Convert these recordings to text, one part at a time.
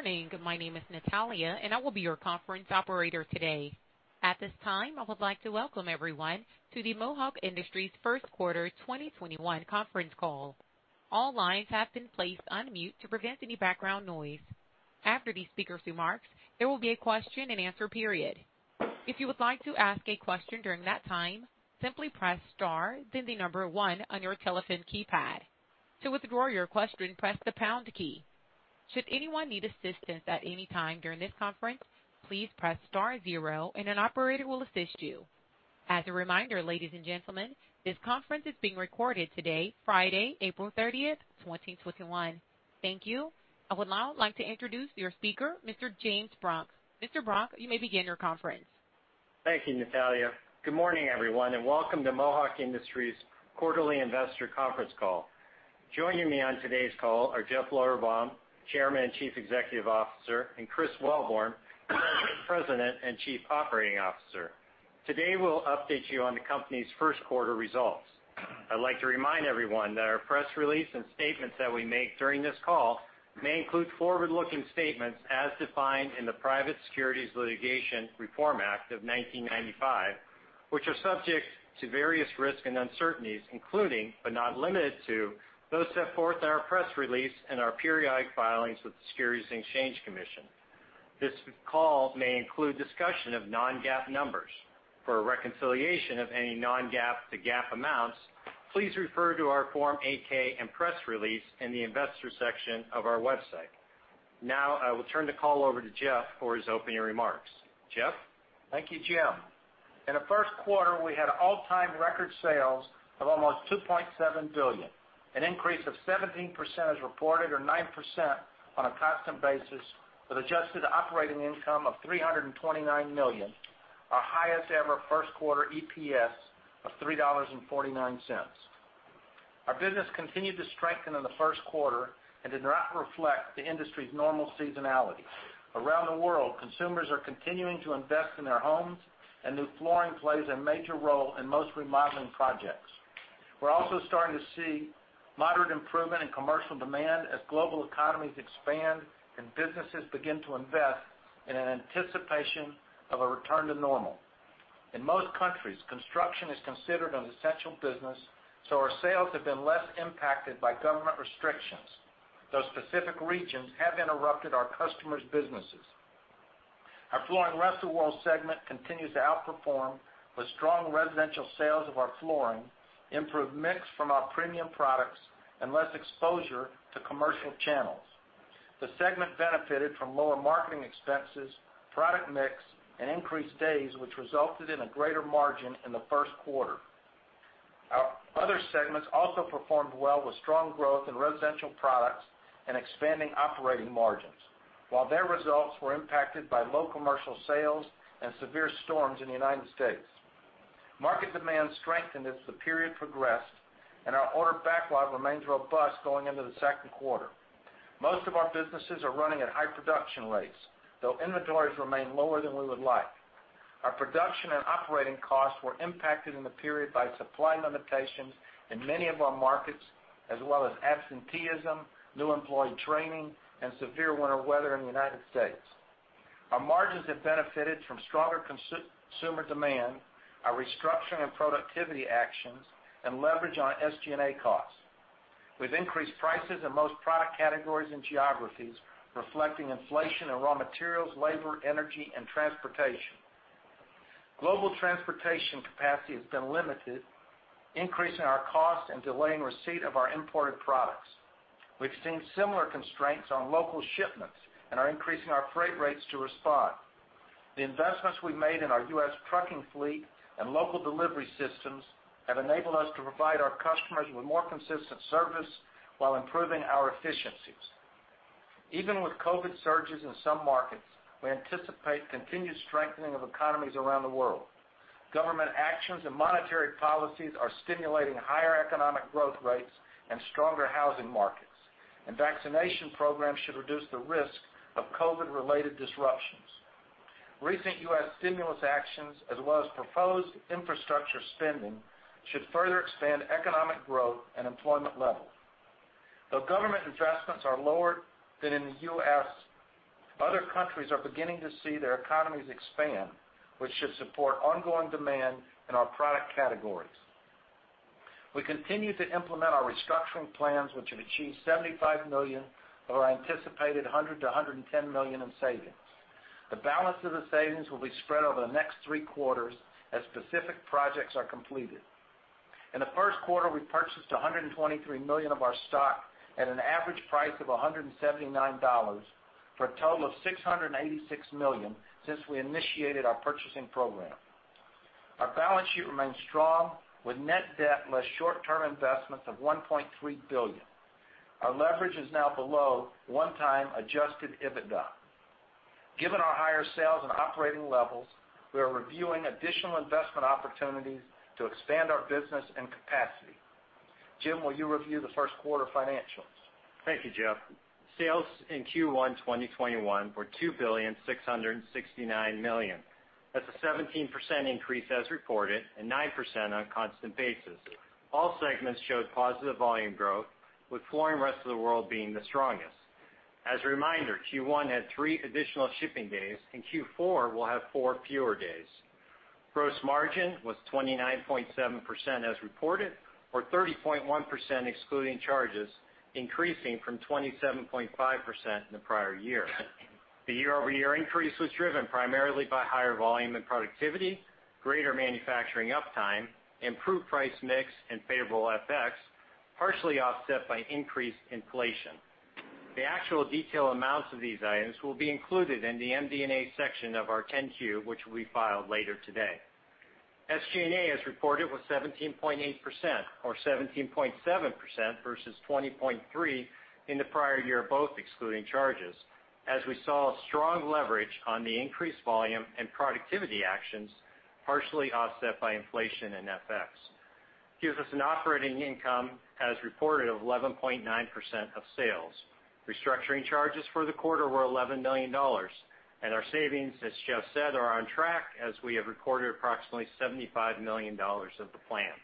Good morning. My name is Natalia, and I will be your conference operator today. At this time, I would like to welcome everyone to the Mohawk Industries First Quarter 2021 Conference Call. All lines have been placed on mute to prevent any background noise. After the speakers' remarks, there will be a Q&A period. If you would like to ask a question during that time, simply press star then the number one on your telephone keypad. To withdraw your question, press the pound key. Should anyone need assistance at any time during this conference, please press star zero and an operator will assist you. As a reminder, ladies and gentlemen, this conference is being recorded today, Friday, April 30th, 2021. Thank you. I would now like to introduce your speaker, Mr. James Brunk. Mr. Brunk, you may begin your conference. Thank you, Natalia. Good morning, everyone, and welcome to Mohawk Industries quarterly investor conference call. Joining me on today's call are Jeff Lorberbaum, Chairman and Chief Executive Officer, and Chris Wellborn, President and Chief Operating Officer. Today, we'll update you on the company's first quarter results. I'd like to remind everyone that our press release and statements that we make during this call may include forward-looking statements as defined in the Private Securities Litigation Reform Act of 1995, which are subject to various risks and uncertainties, including, but not limited to, those set forth in our press release and our periodic filings with the Securities and Exchange Commission. This call may include discussion of non-GAAP numbers. For a reconciliation of any non-GAAP to GAAP amounts, please refer to our Form 8-K and press release in the investor section of our website. Now, I will turn the call over to Jeff for his opening remarks. Jeff? Thank you, Jim. In the first quarter, we had all-time record sales of almost $2.7 billion, an increase of 17% as reported, or 9% on a constant basis, with adjusted operating income of $329 million, our highest-ever first quarter EPS of $3.49. Our business continued to strengthen in the first quarter and did not reflect the industry's normal seasonality. Around the world, consumers are continuing to invest in their homes. New flooring plays a major role in most remodeling projects. We're also starting to see moderate improvement in commercial demand as global economies expand and businesses begin to invest in anticipation of a return to normal. In most countries, construction is considered an essential business, so our sales have been less impacted by government restrictions, though specific regions have interrupted our customers' businesses. Our Flooring Rest of the World segment continues to outperform with strong residential sales of our flooring, improved mix from our premium products, and less exposure to commercial channels. The segment benefited from lower marketing expenses, product mix, and increased days, which resulted in a greater margin in the first quarter. Our other segments also performed well with strong growth in residential products and expanding operating margins while their results were impacted by low commercial sales and severe storms in the U.S. Market demand strengthened as the period progressed, and our order backlog remains robust going into the second quarter. Most of our businesses are running at high production rates, though inventories remain lower than we would like. Our production and operating costs were impacted in the period by supply limitations in many of our markets, as well as absenteeism, new employee training, and severe winter weather in the U.S. Our margins have benefited from stronger consumer demand, our restructuring and productivity actions, and leverage on our SG&A costs. We've increased prices in most product categories and geographies, reflecting inflation in raw materials, labor, energy, and transportation. Global transportation capacity has been limited, increasing our cost and delaying receipt of our imported products. We've seen similar constraints on local shipments and are increasing our freight rates to respond. The investments we made in our U.S. trucking fleet and local delivery systems have enabled us to provide our customers with more consistent service while improving our efficiencies. Even with COVID surges in some markets, we anticipate continued strengthening of economies around the world. Government actions and monetary policies are stimulating higher economic growth rates and stronger housing markets, and vaccination programs should reduce the risk of COVID-related disruptions. Recent U.S. stimulus actions, as well as proposed infrastructure spending, should further expand economic growth and employment levels. Though government investments are lower than in the U.S., other countries are beginning to see their economies expand, which should support ongoing demand in our product categories. We continue to implement our restructuring plans, which have achieved $75 million of our anticipated $100 million-$110 million in savings. The balance of the savings will be spread over the next three quarters as specific projects are completed. In the first quarter, we purchased $123 million of our stock at an average price of $179 for a total of $686 million since we initiated our purchasing program. Our balance sheet remains strong with net debt less short-term investments of $1.3 billion. Our leverage is now below one-time adjusted EBITDA. Given our higher sales and operating levels, we are reviewing additional investment opportunities to expand our business and capacity. Jim, will you review the first quarter financials? Thank you, Jeff. Sales in Q1 2021 were $2,669,000,000. That's a 17% increase as reported, and 9% on a constant basis. All segments showed positive volume growth, with Flooring Rest of the World being the strongest. As a reminder, Q1 had three additional shipping days, and Q4 will have four fewer days. Gross margin was 29.7% as reported, or 30.1% excluding charges, increasing from 27.5% in the prior year. The year-over-year increase was driven primarily by higher volume and productivity, greater manufacturing uptime, improved price mix, and favorable FX, partially offset by increased inflation. The actual detailed amounts of these items will be included in the MD&A section of our 10-Q, which will be filed later today. SG&A, as reported, was 17.8%, or 17.7% versus 20.3% in the prior year, both excluding charges, as we saw strong leverage on the increased volume and productivity actions, partially offset by inflation and FX. Gives us an operating income as reported of 11.9% of sales. Restructuring charges for the quarter were $11 million. Our savings, as Jeff said, are on track, as we have recorded approximately $75 million of the plan.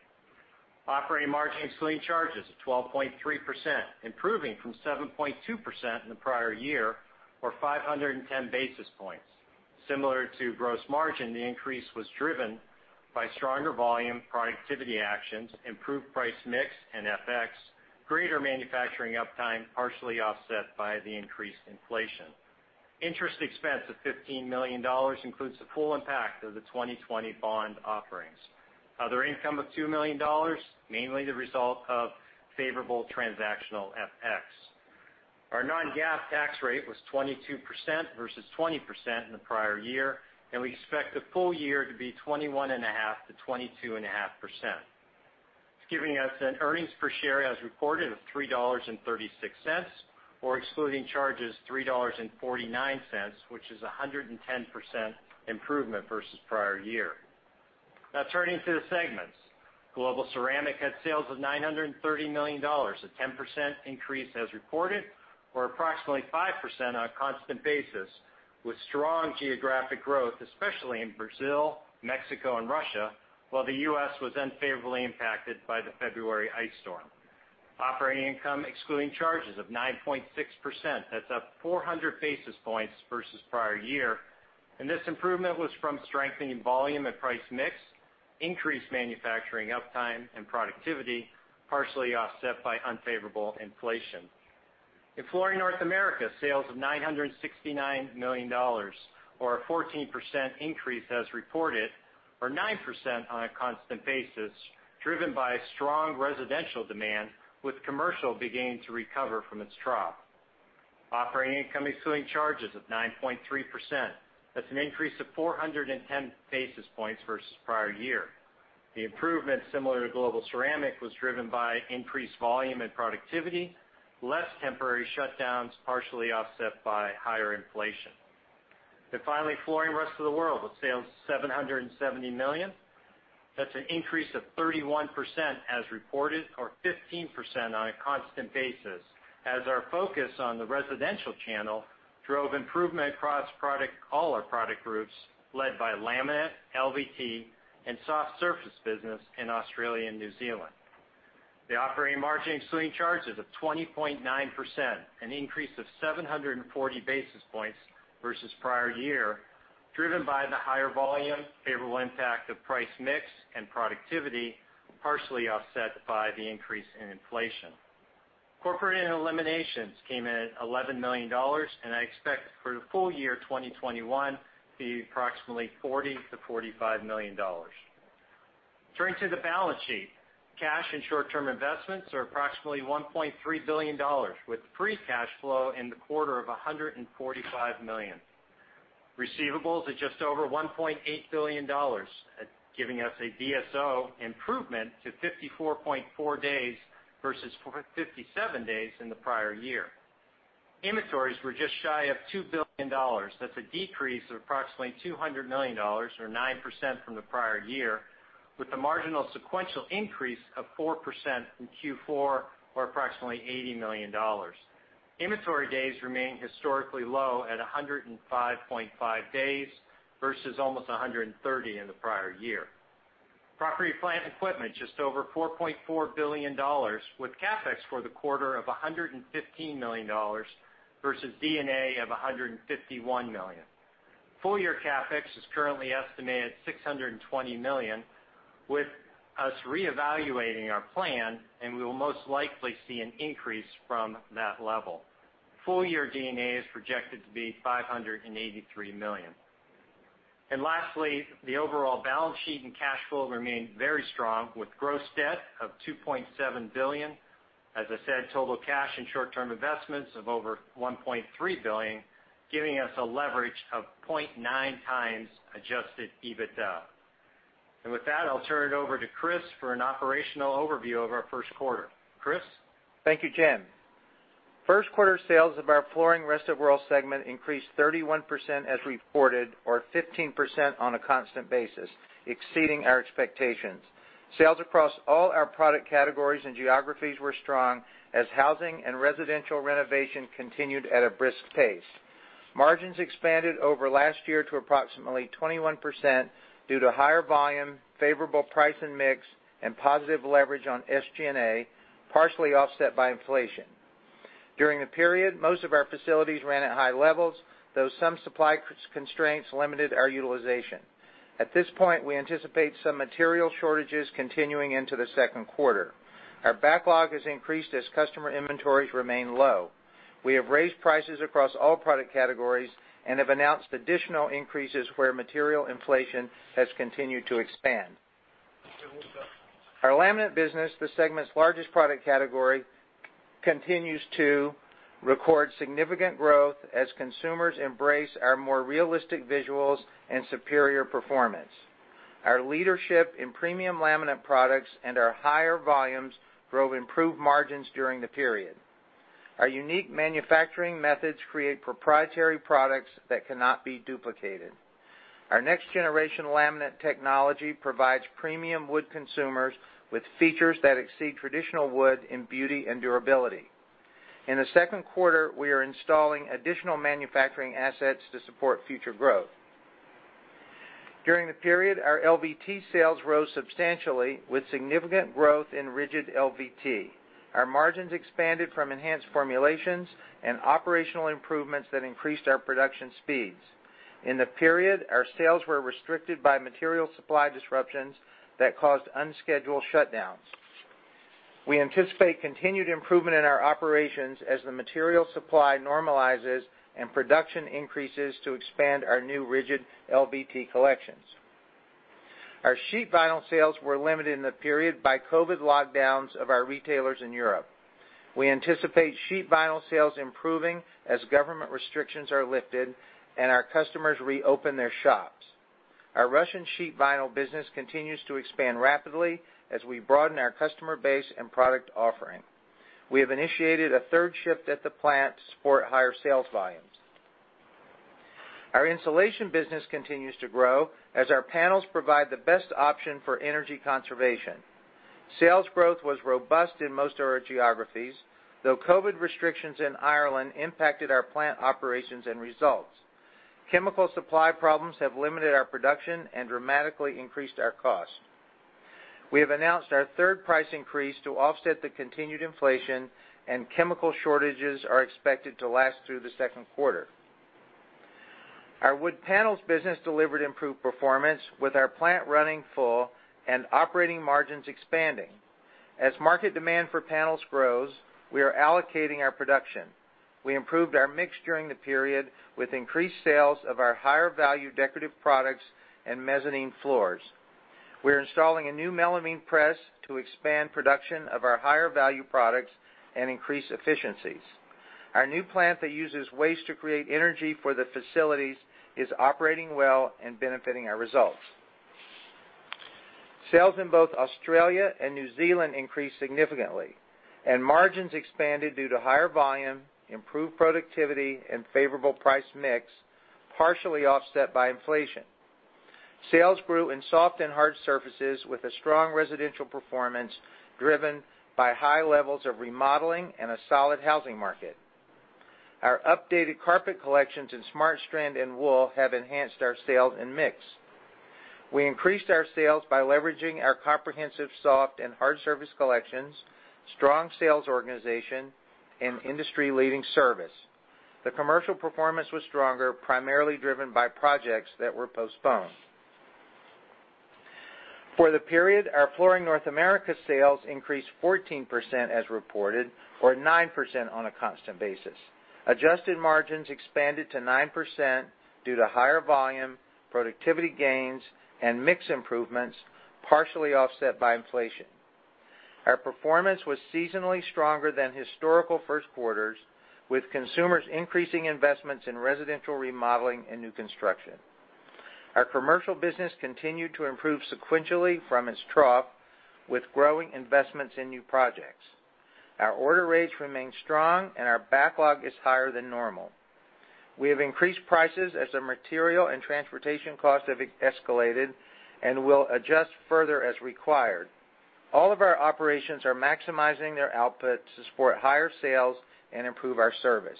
Operating margin excluding charges of 12.3%, improving from 7.2% in the prior year, or 510 basis points. Similar to gross margin, the increase was driven by stronger volume, productivity actions, improved price mix and FX, greater manufacturing uptime, partially offset by the increased inflation. Interest expense of $15 million includes the full impact of the 2020 bond offerings. Other income of $2 million, mainly the result of favorable transactional FX. Our non-GAAP tax rate was 22% versus 20% in the prior year, and we expect the full year to be 21.5%-22.5%. It's giving us an earnings per share as reported of $3.36, or excluding charges, $3.49, which is 110% improvement versus prior year. Turning to the segments. Global Ceramic had sales of $930 million, a 10% increase as reported, or approximately 5% on a constant basis, with strong geographic growth, especially in Brazil, Mexico, and Russia, while the U.S. was unfavorably impacted by the February ice storm. Operating income excluding charges of 9.6%. That's up 400 basis points versus prior year. This improvement was from strengthening volume and price mix, increased manufacturing uptime and productivity, partially offset by unfavorable inflation. In Flooring North America, sales of $969 million, or a 14% increase as reported, or 9% on a constant basis, driven by strong residential demand, with commercial beginning to recover from its trough. Operating income excluding charges of 9.3%. That's an increase of 410 basis points versus prior year. The improvement, similar to Global Ceramic, was driven by increased volume and productivity, less temporary shutdowns, partially offset by higher inflation. Finally, Flooring Rest of the World, with sales $770 million. That's an increase of 31% as reported, or 15% on a constant basis, as our focus on the residential channel drove improvement across all our product groups, led by laminate, LVT, and soft surface business in Australia and New Zealand. The operating margin excluding charges of 20.9%, an increase of 740 basis points versus prior year, driven by the higher volume, favorable impact of price mix, and productivity, partially offset by the increase in inflation. Corporate and eliminations came in at $11 million, I expect for the full year 2021 to be approximately $40 million-$45 million. Turning to the balance sheet. Cash and short-term investments are approximately $1.3 billion, with free cash flow in the quarter of $145 million. Receivables are just over $1.8 billion, giving us a DSO improvement to 54.4 days versus 57 days in the prior year. Inventories were just shy of $2 billion. That's a decrease of approximately $200 million, or 9% from the prior year, with a marginal sequential increase of 4% from Q4, or approximately $80 million. Inventory days remain historically low at 105.5 days, versus almost 130 in the prior year. Property, plant, equipment, just over $4.4 billion, with CapEx for the quarter of $115 million versus D&A of $151 million. Full-year CapEx is currently estimated at $620 million, with us reevaluating our plan, and we will most likely see an increase from that level. Full-year D&A is projected to be $583 million. Lastly, the overall balance sheet and cash flow remain very strong, with gross debt of $2.7 billion. As I said, total cash and short-term investments of over $1.3 billion, giving us a leverage of 0.9 times adjusted EBITDA. With that, I'll turn it over to Chris for an operational overview of our first quarter. Chris? Thank you, Jim. First quarter sales of our Flooring Rest of the World segment increased 31% as reported or 15% on a constant basis, exceeding our expectations. Sales across all our product categories and geographies were strong as housing and residential renovation continued at a brisk pace. Margins expanded over last year to approximately 21% due to higher volume, favorable price and mix, and positive leverage on SG&A, partially offset by inflation. During the period, most of our facilities ran at high levels, though some supply constraints limited our utilization. At this point, we anticipate some material shortages continuing into the second quarter. Our backlog has increased as customer inventories remain low. We have raised prices across all product categories and have announced additional increases where material inflation has continued to expand. Our laminate business, the segment's largest product category, continues to record significant growth as consumers embrace our more realistic visuals and superior performance. Our leadership in premium laminate products and our higher volumes drove improved margins during the period. Our unique manufacturing methods create proprietary products that cannot be duplicated. Our next-generation laminate technology provides premium wood consumers with features that exceed traditional wood in beauty and durability. In the second quarter, we are installing additional manufacturing assets to support future growth. During the period, our LVT sales rose substantially with significant growth in rigid LVT. Our margins expanded from enhanced formulations and operational improvements that increased our production speeds. In the period, our sales were restricted by material supply disruptions that caused unscheduled shutdowns. We anticipate continued improvement in our operations as the material supply normalizes and production increases to expand our new rigid LVT collections. Our sheet vinyl sales were limited in the period by COVID lockdowns of our retailers in Europe. We anticipate sheet vinyl sales improving as government restrictions are lifted and our customers reopen their shops. Our Russian sheet vinyl business continues to expand rapidly as we broaden our customer base and product offering. We have initiated a third shift at the plant to support higher sales volumes. Our insulation business continues to grow as our panels provide the best option for energy conservation. Sales growth was robust in most of our geographies, though COVID restrictions in Ireland impacted our plant operations and results. Chemical supply problems have limited our production and dramatically increased our cost. We have announced our third price increase to offset the continued inflation, and chemical shortages are expected to last through the second quarter. Our wood panels business delivered improved performance with our plant running full and operating margins expanding. As market demand for panels grows, we are allocating our production. We improved our mix during the period with increased sales of our higher-value decorative products and mezzanine floors. We're installing a new melamine press to expand production of our higher-value products and increase efficiencies. Our new plant that uses waste to create energy for the facilities is operating well and benefiting our results. Sales in both Australia and New Zealand increased significantly, and margins expanded due to higher volume, improved productivity, and favorable price mix, partially offset by inflation. Sales grew in soft and hard surfaces with a strong residential performance, driven by high levels of remodeling and a solid housing market. Our updated carpet collections in SmartStrand and wool have enhanced our sales and mix. We increased our sales by leveraging our comprehensive soft and hard surface collections, strong sales organization, and industry-leading service. The commercial performance was stronger, primarily driven by projects that were postponed. For the period, our Flooring North America sales increased 14% as reported or 9% on a constant basis. Adjusted margins expanded to 9% due to higher volume, productivity gains, and mix improvements, partially offset by inflation. Our performance was seasonally stronger than historical first quarters, with consumers increasing investments in residential remodeling and new construction. Our commercial business continued to improve sequentially from its trough with growing investments in new projects. Our order rates remain strong, and our backlog is higher than normal. We have increased prices as the material and transportation costs have escalated and will adjust further as required. All of our operations are maximizing their output to support higher sales and improve our service.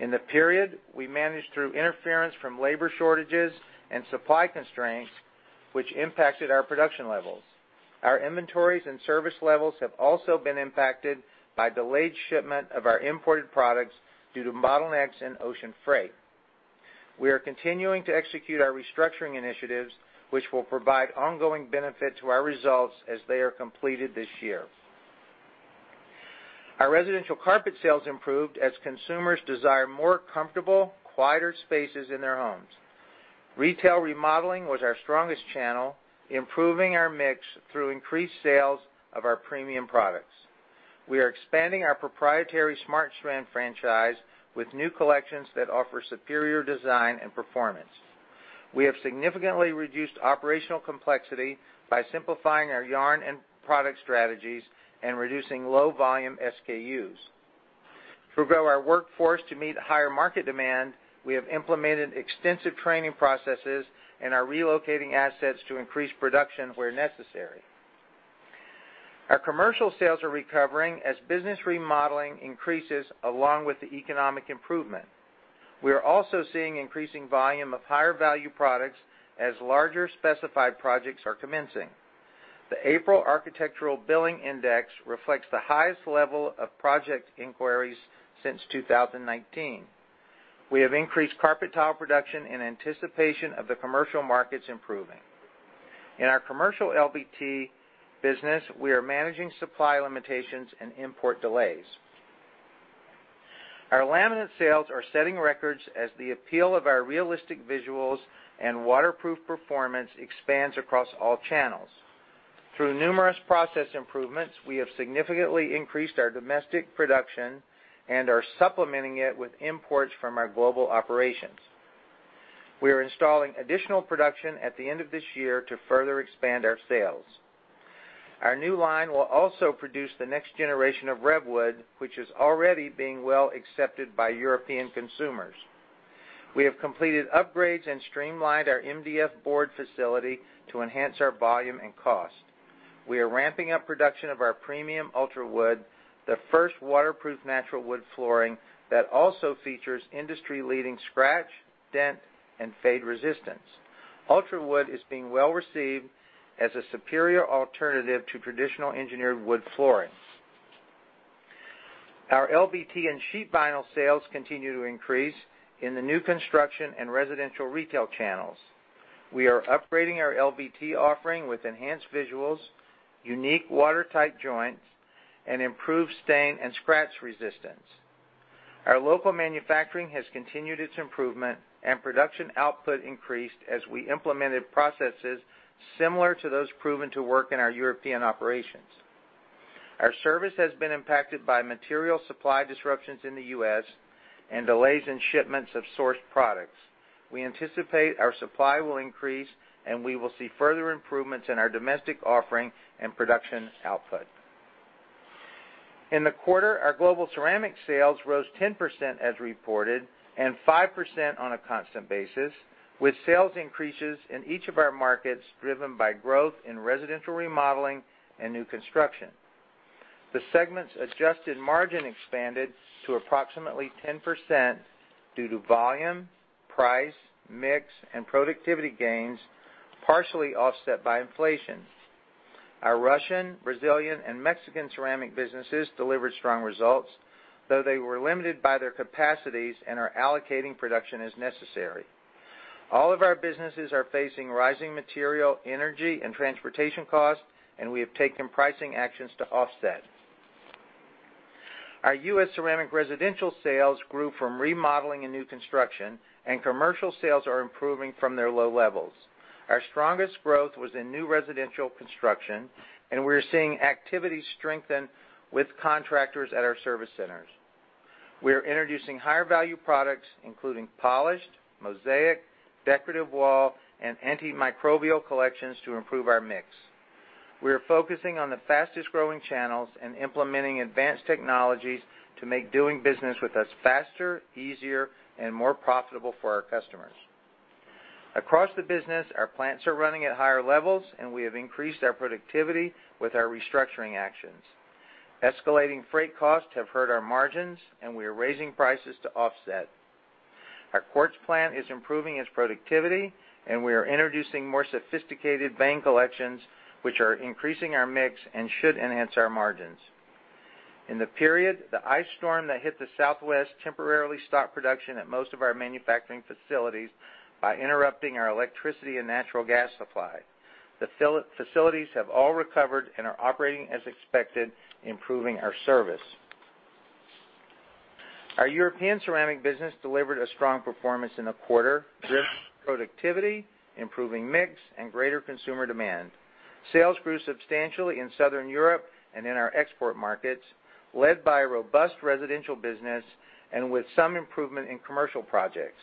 In the period, we managed through interference from labor shortages and supply constraints, which impacted our production levels. Our inventories and service levels have also been impacted by delayed shipment of our imported products due to bottlenecks in ocean freight. We are continuing to execute our restructuring initiatives, which will provide ongoing benefit to our results as they are completed this year. Our residential carpet sales improved as consumers desire more comfortable, quieter spaces in their homes. Retail remodeling was our strongest channel, improving our mix through increased sales of our premium products. We are expanding our proprietary SmartStrand franchise with new collections that offer superior design and performance. We have significantly reduced operational complexity by simplifying our yarn and product strategies and reducing low-volume SKUs. To grow our workforce to meet higher market demand, we have implemented extensive training processes and are relocating assets to increase production where necessary. Our commercial sales are recovering as business remodeling increases along with the economic improvement. We are also seeing increasing volume of higher value products as larger specified projects are commencing. The April Architectural Billing Index reflects the highest level of project inquiries since 2019. We have increased carpet tile production in anticipation of the commercial markets improving. In our commercial LVT business, we are managing supply limitations and import delays. Our laminate sales are setting records as the appeal of our realistic visuals and waterproof performance expands across all channels. Through numerous process improvements, we have significantly increased our domestic production and are supplementing it with imports from our global operations. We are installing additional production at the end of this year to further expand our sales. Our new line will also produce the next generation of RevWood, which is already being well accepted by European consumers. We have completed upgrades and streamlined our MDF board facility to enhance our volume and cost. We are ramping up production of our premium UltraWood, the first waterproof natural wood flooring that also features industry-leading scratch, dent, and fade resistance. UltraWood is being well received as a superior alternative to traditional engineered wood flooring. Our LVT and sheet vinyl sales continue to increase in the new construction and residential retail channels. We are upgrading our LVT offering with enhanced visuals, unique watertight joints, and improved stain and scratch resistance. Our local manufacturing has continued its improvement, and production output increased as we implemented processes similar to those proven to work in our European operations. Our service has been impacted by material supply disruptions in the U.S. and delays in shipments of sourced products. We anticipate our supply will increase, and we will see further improvements in our domestic offering and production output. In the quarter, our Global Ceramic sales rose 10% as reported, and 5% on a constant basis, with sales increases in each of our markets driven by growth in residential remodeling and new construction. The segment's adjusted margin expanded to approximately 10% due to volume, price, mix, and productivity gains, partially offset by inflation. Our Russian, Brazilian, and Mexican ceramic businesses delivered strong results, though they were limited by their capacities and are allocating production as necessary. All of our businesses are facing rising material, energy, and transportation costs, and we have taken pricing actions to offset. Our U.S. ceramic residential sales grew from remodeling and new construction, and commercial sales are improving from their low levels. Our strongest growth was in new residential construction, and we are seeing activity strengthen with contractors at our service centers. We are introducing higher value products, including polished, mosaic, decorative wall, and antimicrobial collections to improve our mix. We are focusing on the fastest-growing channels and implementing advanced technologies to make doing business with us faster, easier, and more profitable for our customers. Across the business, our plants are running at higher levels, and we have increased our productivity with our restructuring actions. Escalating freight costs have hurt our margins, and we are raising prices to offset. Our quartz plant is improving its productivity, and we are introducing more sophisticated vein collections, which are increasing our mix and should enhance our margins. In the period, the ice storm that hit the Southwest temporarily stopped production at most of our manufacturing facilities by interrupting our electricity and natural gas supply. The facilities have all recovered and are operating as expected, improving our service. Our European ceramic business delivered a strong performance in the quarter, driven by productivity, improving mix, and greater consumer demand. Sales grew substantially in Southern Europe and in our export markets, led by a robust residential business and with some improvement in commercial projects.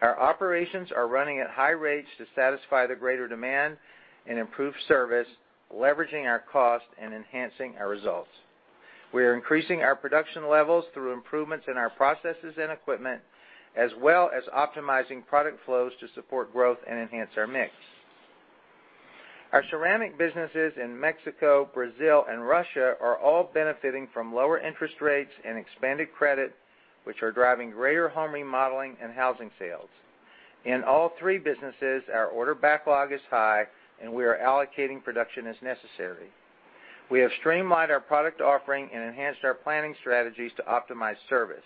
Our operations are running at high rates to satisfy the greater demand and improve service, leveraging our cost and enhancing our results. We are increasing our production levels through improvements in our processes and equipment, as well as optimizing product flows to support growth and enhance our mix. Our ceramic businesses in Mexico, Brazil, and Russia are all benefiting from lower interest rates and expanded credit, which are driving greater home remodeling and housing sales. In all three businesses, our order backlog is high, and we are allocating production as necessary. We have streamlined our product offering and enhanced our planning strategies to optimize service.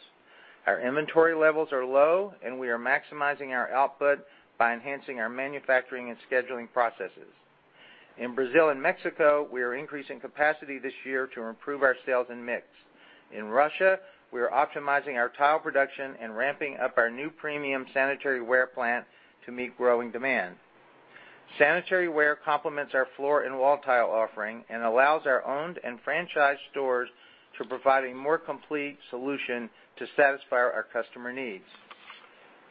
Our inventory levels are low, and we are maximizing our output by enhancing our manufacturing and scheduling processes. In Brazil and Mexico, we are increasing capacity this year to improve our sales and mix. In Russia, we are optimizing our tile production and ramping up our new premium sanitary ware plant to meet growing demand. Sanitary ware complements our floor and wall tile offering and allows our owned and franchised stores to provide a more complete solution to satisfy our customer needs.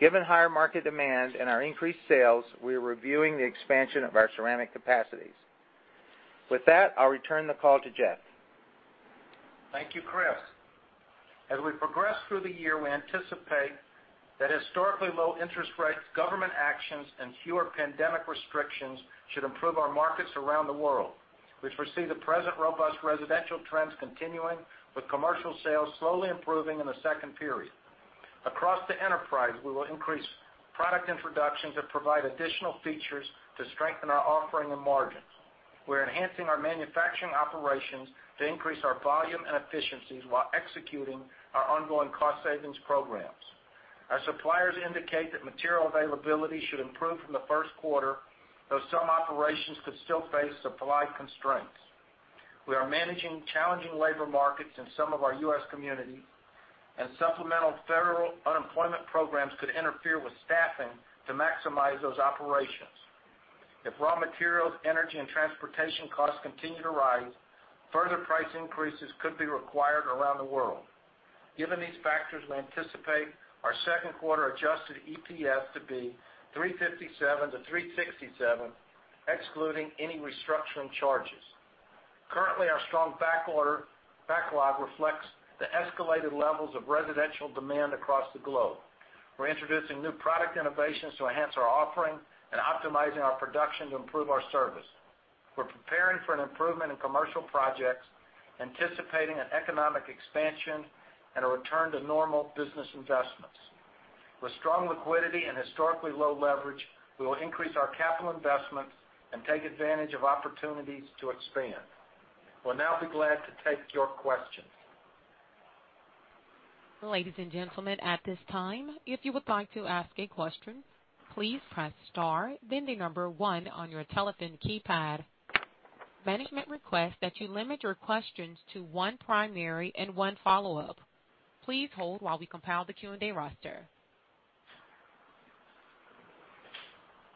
Given higher market demand and our increased sales, we are reviewing the expansion of our ceramic capacities. With that, I'll return the call to Jeff. Thank you, Chris. As we progress through the year, we anticipate that historically low interest rates, government actions, and fewer pandemic restrictions should improve our markets around the world. We foresee the present robust residential trends continuing, with commercial sales slowly improving in the second period. Across the enterprise, we will increase product introductions that provide additional features to strengthen our offering and margins. We're enhancing our manufacturing operations to increase our volume and efficiencies while executing our ongoing cost savings programs. Our suppliers indicate that material availability should improve from the first quarter, though some operations could still face supply constraints. We are managing challenging labor markets in some of our U.S. communities, and supplemental federal unemployment programs could interfere with staffing to maximize those operations. If raw materials, energy, and transportation costs continue to rise, further price increases could be required around the world. Given these factors, we anticipate our second quarter adjusted EPS to be $3.57-$3.67, excluding any restructuring charges. Currently, our strong backlog reflects the escalated levels of residential demand across the globe. We're introducing new product innovations to enhance our offering and optimizing our production to improve our service. We're preparing for an improvement in commercial projects, anticipating an economic expansion, and a return to normal business investments. With strong liquidity and historically low leverage, we will increase our capital investments and take advantage of opportunities to expand. We'll now be glad to take your questions. Ladies and gentlemen, at this time, if you would like to ask a question, please press star then the number 1 on your telephone keypad. Management requests that you limit your questions to one primary and one follow-up. Please hold while we compile the Q&A roster.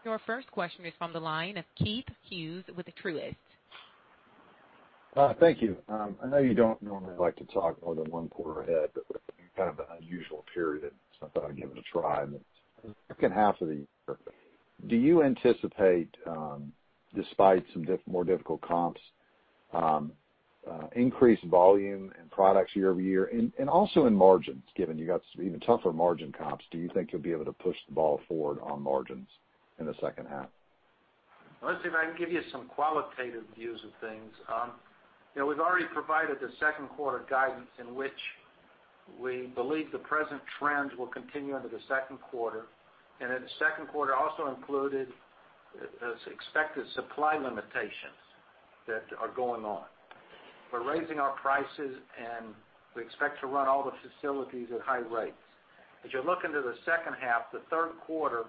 Your first question is from the line of Keith Hughes with Truist. Thank you. I know you don't normally like to talk more than one quarter ahead, but with kind of an unusual period, I thought I'd give it a try. Second half of the year, do you anticipate, despite some more difficult comps, increased volume and products year-over-year? Also in margins, given you got some even tougher margin comps, do you think you'll be able to push the ball forward on margins in the second half? Let's see if I can give you some qualitative views of things. We've already provided the second quarter guidance in which we believe the present trends will continue into the second quarter. The second quarter also included those expected supply limitations that are going on. We're raising our prices, and we expect to run all the facilities at high rates. As you look into the second half, the third quarter,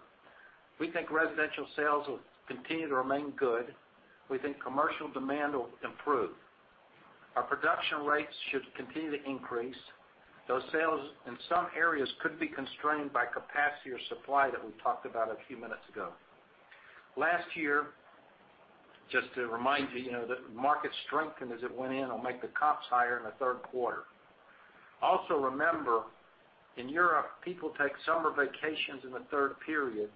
we think residential sales will continue to remain good. We think commercial demand will improve. Our production rates should continue to increase, though sales in some areas could be constrained by capacity or supply that we talked about a few minutes ago. Last year, just to remind you, the market strengthened as it went in. It'll make the comps higher in the third quarter. Remember, in Europe, people take summer vacations in the third period,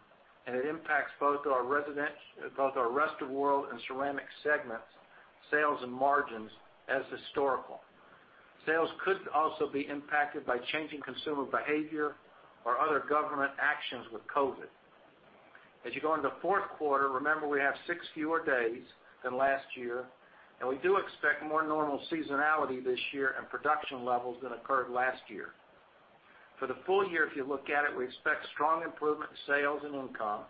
it impacts both our Flooring Rest of the World and Global Ceramic sales and margins as historical. Sales could also be impacted by changing consumer behavior or other government actions with COVID. As you go into the fourth quarter, remember, we have six fewer days than last year, we do expect more normal seasonality this year and production levels than occurred last year. For the full year, if you look at it, we expect strong improvement in sales and income.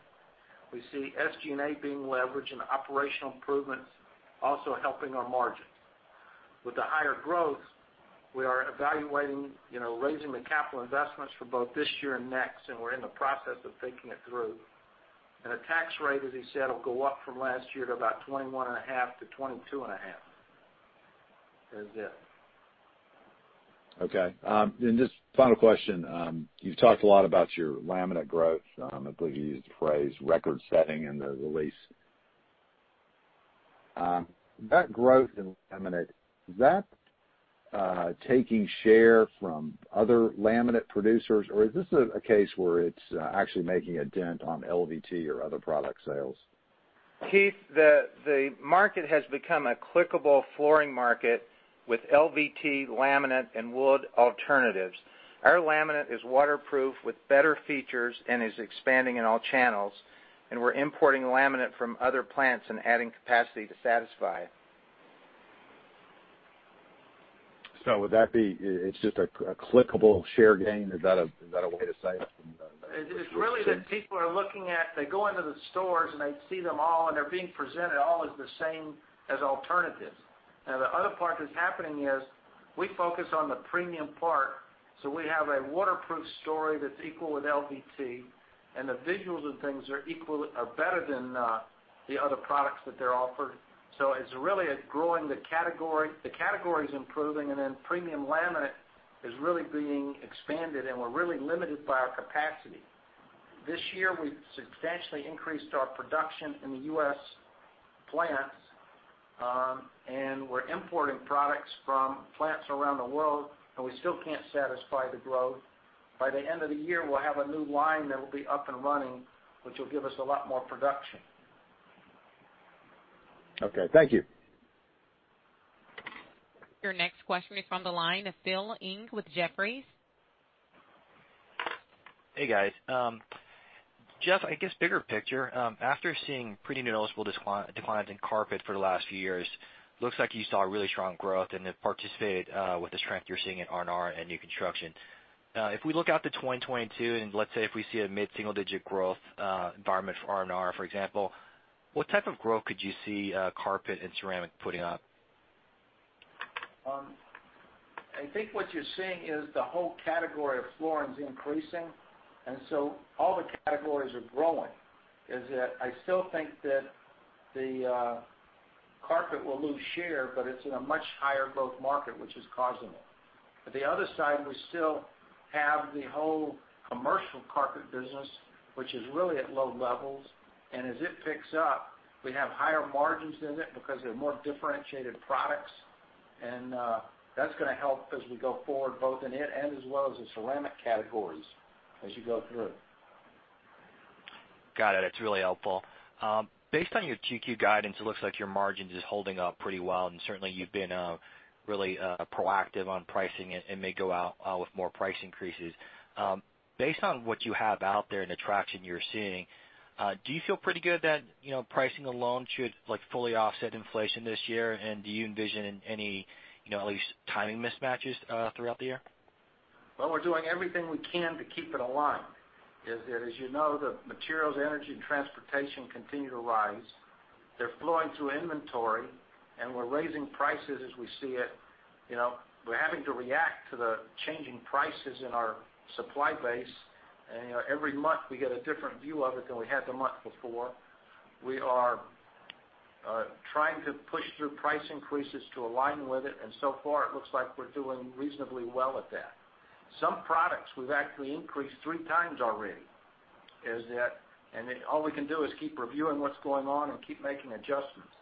We see SG&A being leveraged and operational improvements also helping our margins. With the higher growth, we are evaluating raising the capital investments for both this year and next, we're in the process of thinking it through. The tax rate, as he said, will go up from last year to about 21.5%-22.5%. That is it. Okay. Just final question. You've talked a lot about your laminate growth. I believe you used the phrase record-setting in the release. That growth in laminate, is that taking share from other laminate producers? Is this a case where it's actually making a dent on LVT or other product sales? Keith, the market has become a clickable flooring market with LVT, laminate, and wood alternatives. Our laminate is waterproof with better features and is expanding in all channels, and we're importing laminate from other plants and adding capacity to satisfy. Would that be it's just a clickable share gain? Is that a way to say it? It's really that they go into the stores, and they see them all, and they're being presented all as the same as alternatives. The other part that's happening is we focus on the premium part. We have a waterproof story that's equal with LVT, and the visuals and things are better than the other products that they're offered. It's really growing the category. The category's improving, premium laminate is really being expanded, and we're really limited by our capacity. This year, we've substantially increased our production in the U.S. plants, and we're importing products from plants around the world, and we still can't satisfy the growth. By the end of the year, we'll have a new line that will be up and running, which will give us a lot more production. Okay. Thank you. Your next question is from the line of Philip Ng with Jefferies. Hey, guys. Jeff, I guess bigger picture. After seeing pretty noticeable declines in carpet for the last few years, looks like you saw really strong growth and it participated with the strength you're seeing in R&R and new construction. If we look out to 2022, and let's say if we see a mid-single-digit growth environment for R&R, for example, what type of growth could you see carpet and ceramic putting up? I think what you're seeing is the whole category of flooring is increasing, all the categories are growing. I still think that the carpet will lose share, but it's in a much higher growth market, which is causing it. At the other side, we still have the whole commercial carpet business, which is really at low levels. As it picks up, we have higher margins in it because they're more differentiated products. That's going to help as we go forward, both in it and as well as the ceramic categories as you go through. Got it. That's really helpful. Based on your 2Q guidance, it looks like your margins is holding up pretty well, and certainly you've been really proactive on pricing and may go out with more price increases. Based on what you have out there and the traction you're seeing, do you feel pretty good that pricing alone should fully offset inflation this year, and do you envision any, at least timing mismatches, throughout the year? Well, we're doing everything we can to keep it aligned. As you know, the materials, energy, and transportation continue to rise. They're flowing through inventory. We're raising prices as we see it. We're having to react to the changing prices in our supply base. Every month we get a different view of it than we had the month before. We are trying to push through price increases to align with it. So far it looks like we're doing reasonably well at that. Some products we've actually increased three times already. All we can do is keep reviewing what's going on and keep making adjustments.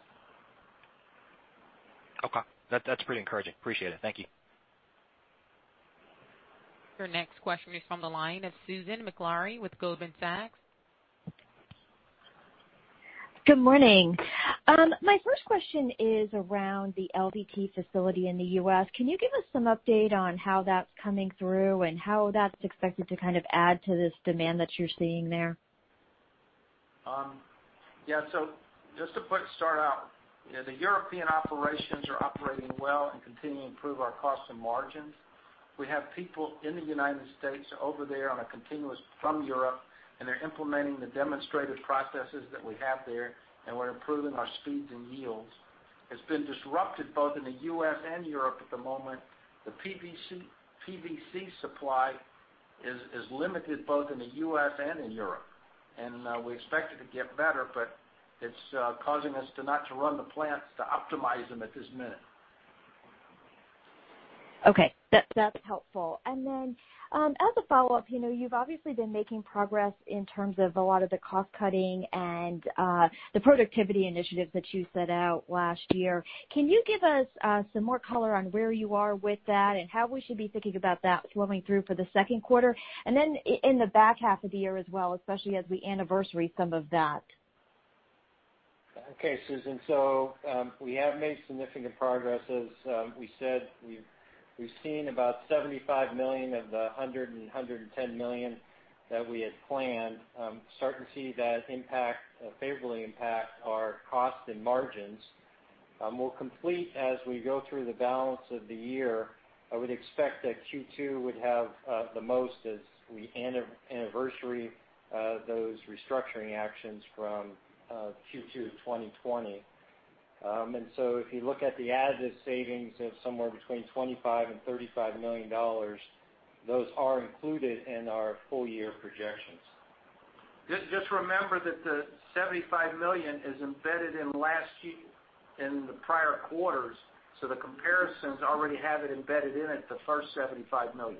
Okay. That's pretty encouraging. Appreciate it. Thank you. Your next question is from the line of Susan Maklari with Goldman Sachs. Good morning. My first question is around the LVT facility in the U.S. Can you give us some update on how that's coming through and how that's expected to add to this demand that you're seeing there? Just to start out, the European operations are operating well and continue to improve our cost and margins. We have people in the U.S. over there on a continuous from Europe, and they're implementing the demonstrated processes that we have there, and we're improving our speeds and yields. It's been disrupted both in the U.S. and Europe at the moment. The PVC supply is limited both in the U.S. and in Europe. We expect it to get better, but it's causing us to not to run the plants to optimize them at this minute. Okay. That's helpful. As a follow-up, you've obviously been making progress in terms of a lot of the cost-cutting and the productivity initiatives that you set out last year. Can you give us some more color on where you are with that and how we should be thinking about that flowing through for the second quarter? In the back half of the year as well, especially as we anniversary some of that? Okay, Susan. We have made significant progress. As we said, we've seen about $75 million of the $100 and $110 million that we had planned. Starting to see that favorably impact our cost and margins. We'll complete as we go through the balance of the year. I would expect that Q2 would have the most as we anniversary those restructuring actions from Q2 2020. If you look at the additive savings of somewhere between $25 million and $35 million, those are included in our full year projections. Just remember that the $75 million is embedded in last year, in the prior quarters. The comparisons already have it embedded in it, the first $75 million.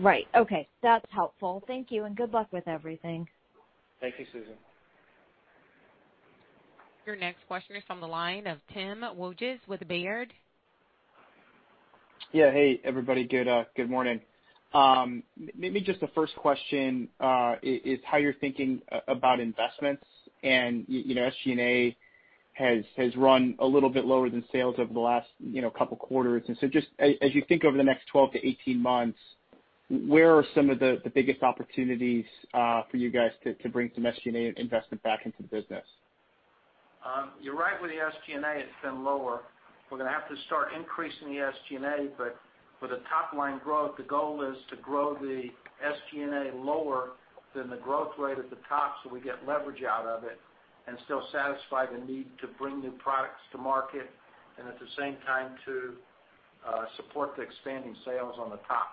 Right. Okay. That's helpful. Thank you, and good luck with everything. Thank you, Susan. Your next question is from the line of Tim Wojs with Baird. Yeah. Hey, everybody. Good morning. Maybe just the first question is how you're thinking about investments. SG&A has run a little bit lower than sales over the last couple quarters. Just as you think over the next 12-18 months, where are some of the biggest opportunities for you guys to bring some SG&A investment back into the business? You're right, with the SG&A, it's been lower. We're going to have to start increasing the SG&A. For the top-line growth, the goal is to grow the SG&A lower than the growth rate at the top so we get leverage out of it and still satisfy the need to bring new products to market, and at the same time to support the expanding sales on the top.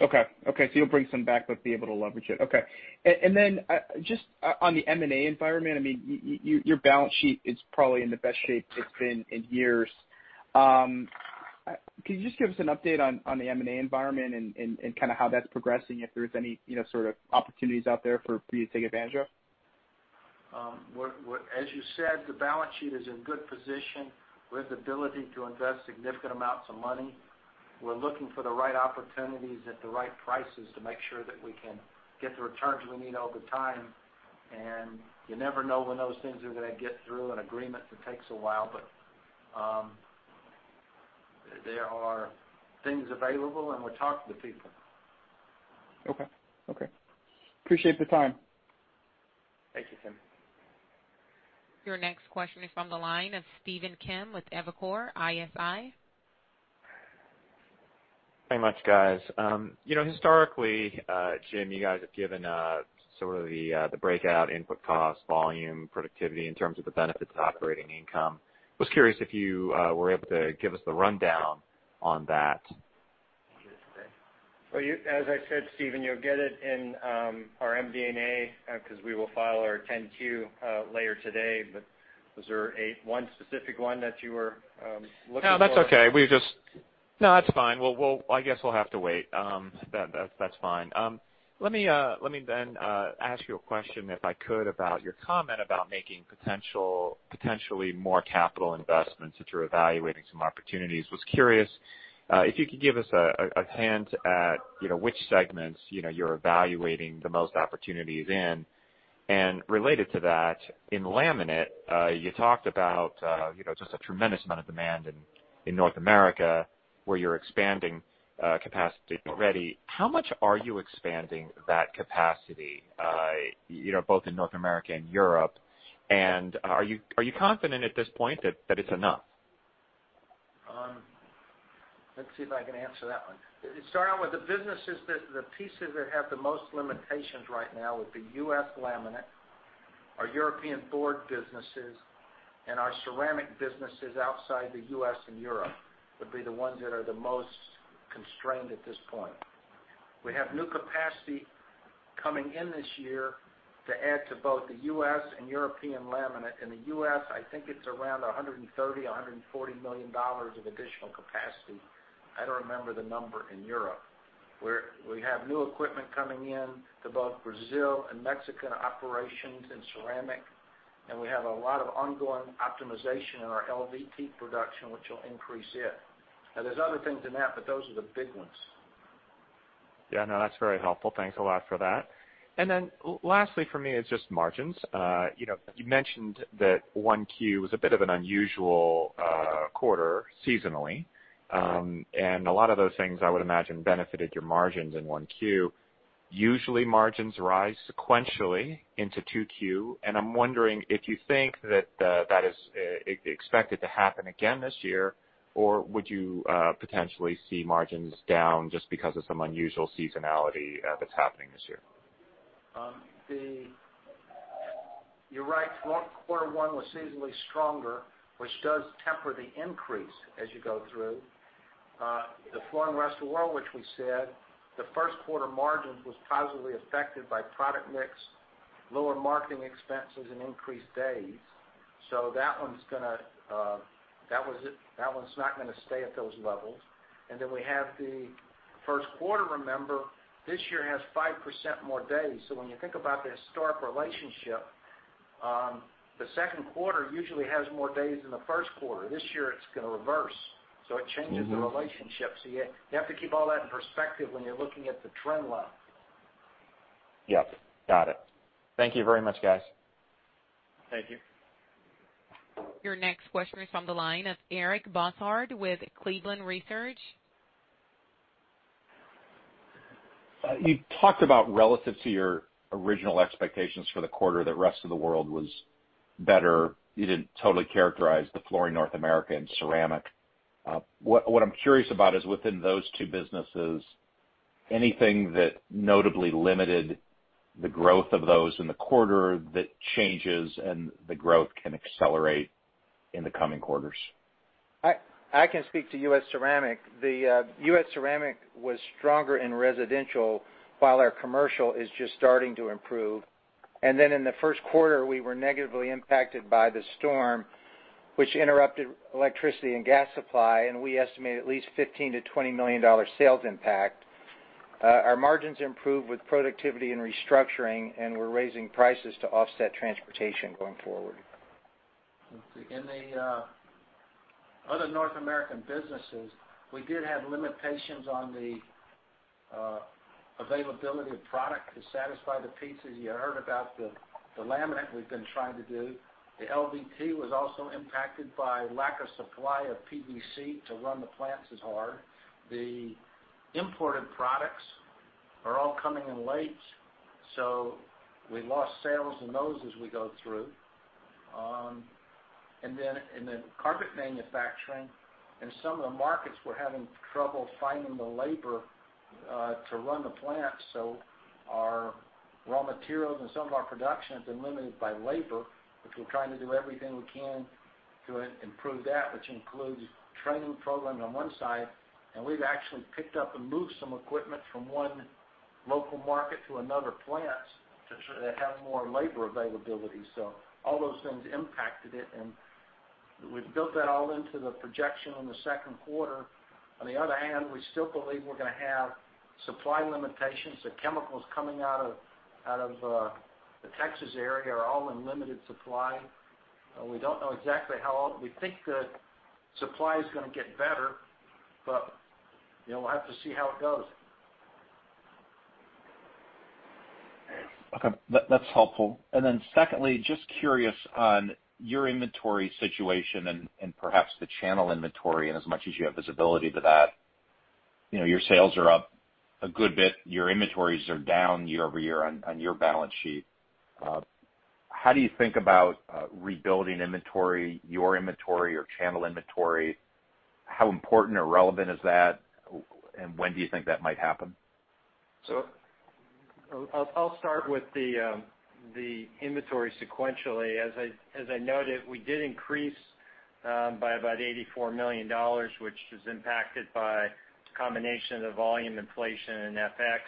Okay. You'll bring some back but be able to leverage it. Okay. Just on the M&A environment, your balance sheet is probably in the best shape it's been in years. Can you just give us an update on the M&A environment and how that's progressing, if there's any sort of opportunities out there for you to take advantage of? As you said, the balance sheet is in good position. We have the ability to invest significant amounts of money. We're looking for the right opportunities at the right prices to make sure that we can get the returns we need over time, and you never know when those things are going to get through an agreement that takes a while, but there are things available, and we're talking to people. Okay. Appreciate the time. Thank you, Tim. Your next question is from the line of Stephen Kim with Evercore ISI. Thank you much, guys. Historically, Jim, you guys have given sort of the breakout input cost, volume, productivity in terms of the benefits to operating income. I was curious if you were able to give us the rundown on that. Well, as I said, Stephen, you'll get it in our MD&A because we will file our 10-Q later today. Was there one specific one that you were looking for? No, that's okay. No, that's fine. Well, I guess we'll have to wait. That's fine. Let me then ask you a question, if I could, about your comment about making potentially more capital investments, that you're evaluating some opportunities. Was curious if you could give us a hint at which segments you're evaluating the most opportunities in? Related to that, in laminate, you talked about just a tremendous amount of demand in North America, where you're expanding capacity already. How much are you expanding that capacity, both in North America and Europe? Are you confident at this point that that is enough? Let's see if I can answer that one. Start out with the businesses that the pieces that have the most limitations right now would be U.S. laminate, our European board businesses, and our ceramic businesses outside the U.S. and Europe would be the ones that are the most constrained at this point. We have new capacity coming in this year to add to both the U.S. and European laminate. In the U.S., I think it's around $130 million-$140 million of additional capacity. I don't remember the number in Europe. We have new equipment coming in to both Brazil and Mexican operations in ceramic, and we have a lot of ongoing optimization in our LVT production, which will increase it. There's other things in that, but those are the big ones. Yeah, no, that's very helpful. Thanks a lot for that. Lastly for me is just margins. You mentioned that 1Q was a bit of an unusual quarter seasonally. Right. A lot of those things, I would imagine, benefited your margins in 1Q. Usually, margins rise sequentially into 2Q, and I'm wondering if you think that is expected to happen again this year, or would you potentially see margins down just because of some unusual seasonality that's happening this year? You're right. Quarter one was seasonally stronger, which does temper the increase as you go through. The Flooring Rest of the World, which we said the first quarter margins was positively affected by product mix, lower marketing expenses, and increased days. That one's not going to stay at those levels. Then we have the first quarter, remember, this year has 5% more days. When you think about the historic relationship, the second quarter usually has more days than the first quarter. This year, it's going to reverse. It changes the relationship. You have to keep all that in perspective when you're looking at the trend line. Yep, got it. Thank you very much, guys. Thank you. Your next question is from the line of Eric Bosshard with Cleveland Research. You talked about relative to your original expectations for the quarter, the rest of the world was better. You didn't totally characterize the Flooring North America and ceramic. What I'm curious about is within those two businesses, anything that notably limited the growth of those in the quarter that changes and the growth can accelerate in the coming quarters? I can speak to U.S. Ceramic. The U.S. Ceramic was stronger in residential while our commercial is just starting to improve. In the first quarter, we were negatively impacted by the storm, which interrupted electricity and gas supply, and we estimate at least $15 million-$20 million sales impact. Our margins improved with productivity and restructuring, and we're raising prices to offset transportation going forward. In the other North American businesses, we did have limitations on the availability of product to satisfy the pieces. You heard about the laminate we've been trying to do. The LVT was also impacted by lack of supply of PVC to run the plants is hard. The imported products are all coming in late, we lost sales in those as we go through. In carpet manufacturing, in some of the markets, we're having trouble finding the labor to run the plants. Our raw materials and some of our production has been limited by labor, which we're trying to do everything we can to improve that, which includes training programs on one side. We've actually picked up and moved some equipment from one local market to another plant to have more labor availability. All those things impacted it. We've built that all into the projection on the second quarter. On the other hand, we still believe we're going to have supply limitations of chemicals coming out of the Texas area are all in limited supply. We don't know exactly how long. We think the supply is going to get better, but we'll have to see how it goes. Okay. That's helpful. Secondly, just curious on your inventory situation and perhaps the channel inventory, and as much as you have visibility to that. Your sales are up a good bit. Your inventories are down year-over-year on your balance sheet. How do you think about rebuilding inventory, your inventory, your channel inventory? How important or relevant is that? When do you think that might happen? I'll start with the inventory sequentially. As I noted, we did increase by about $84 million, which is impacted by a combination of volume inflation and FX.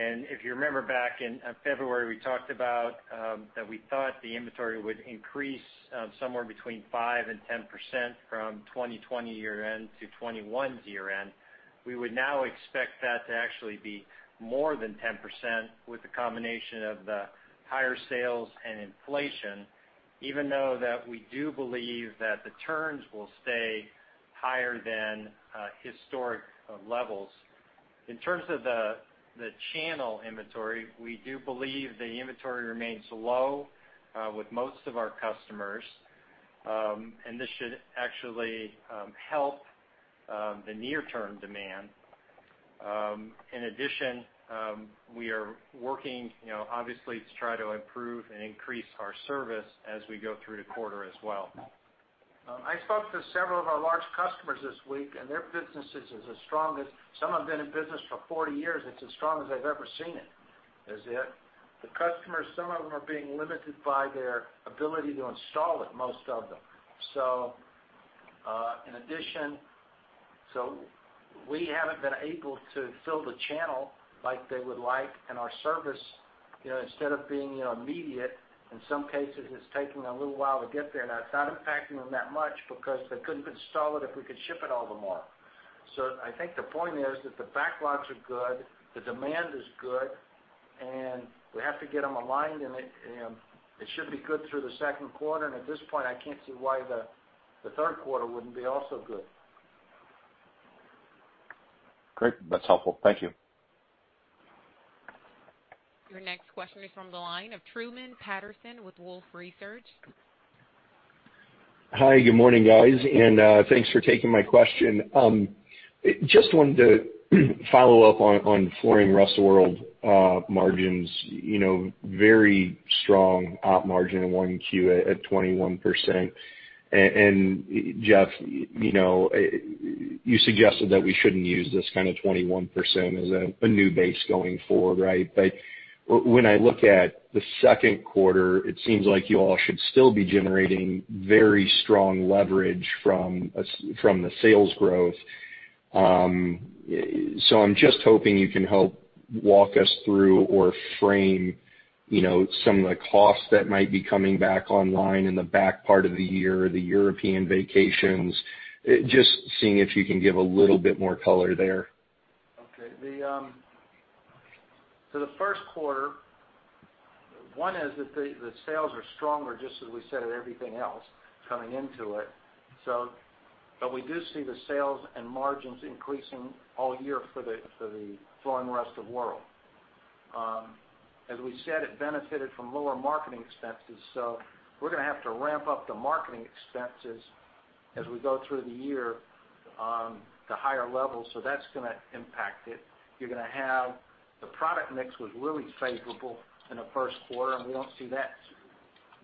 If you remember back in February, we talked about that we thought the inventory would increase somewhere between 5% and 10% from 2020 year-end to 2021's year-end. We would now expect that to actually be more than 10% with the combination of the higher sales and inflation, even though that we do believe that the turns will stay higher than historic levels. In terms of the channel inventory, we do believe the inventory remains low with most of our customers, and this should actually help the near-term demand. In addition, we are working, obviously, to try to improve and increase our service as we go through the quarter as well. I spoke to several of our large customers this week, their businesses is as strong as some have been in business for 40 years. It's as strong as I've ever seen it. The customers, some of them are being limited by their ability to install it, most of them. In addition, we haven't been able to fill the channel like they would like, our service, instead of being immediate, in some cases, it's taking a little while to get there. Now, it's not impacting them that much because they couldn't install it if we could ship it all tomorrow. I think the point is that the backlogs are good, the demand is good, we have to get them aligned, it should be good through the second quarter. At this point, I can't see why the third quarter wouldn't be also good. Great. That's helpful. Thank you. Your next question is from the line of Truman Patterson with Wolfe Research. Hi, good morning, guys. Thanks for taking my question. Just wanted to follow up on Flooring Rest of the World margins. Very strong op margin in 1Q at 21%. Jeff, you suggested that we shouldn't use this kind of 21% as a new base going forward, right? When I look at the second quarter, it seems like you all should still be generating very strong leverage from the sales growth. I'm just hoping you can help walk us through or frame some of the costs that might be coming back online in the back part of the year or the European vacations. Just seeing if you can give a little bit more color there. Okay. The first quarter, one is that the sales are stronger, just as we said everything else coming into it. We do see the sales and margins increasing all year for the Flooring Rest of the World. As we said, it benefited from lower marketing expenses, so we're going to have to ramp up the marketing expenses as we go through the year to higher levels, so that's going to impact it. You're going to have the product mix was really favorable in the first quarter, and we don't see that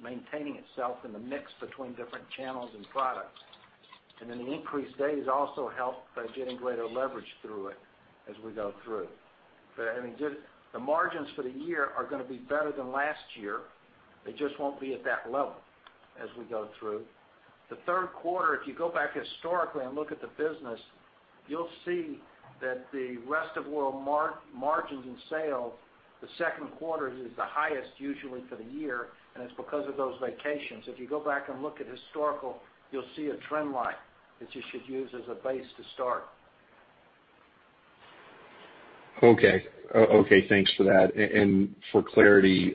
maintaining itself in the mix between different channels and products. The increased days also help by getting greater leverage through it as we go through. The margins for the year are going to be better than last year. They just won't be at that level as we go through. The third quarter, if you go back historically and look at the business, you'll see that the rest of world margins and sales, the second quarter is the highest usually for the year, and it's because of those vacations. If you go back and look at historical, you'll see a trend line that you should use as a base to start. Okay. Thanks for that. For clarity,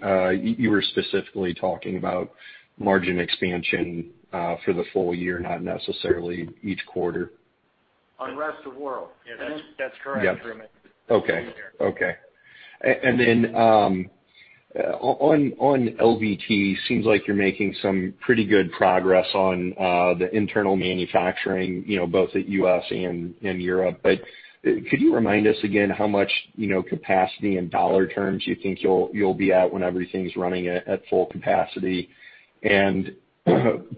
you were specifically talking about margin expansion for the full year, not necessarily each quarter. On Rest of World. That's correct, Truman. Okay. On LVT, seems like you're making some pretty good progress on the internal manufacturing, both at U.S. and in Europe. Could you remind us again how much capacity in dollar terms you think you'll be at when everything's running at full capacity?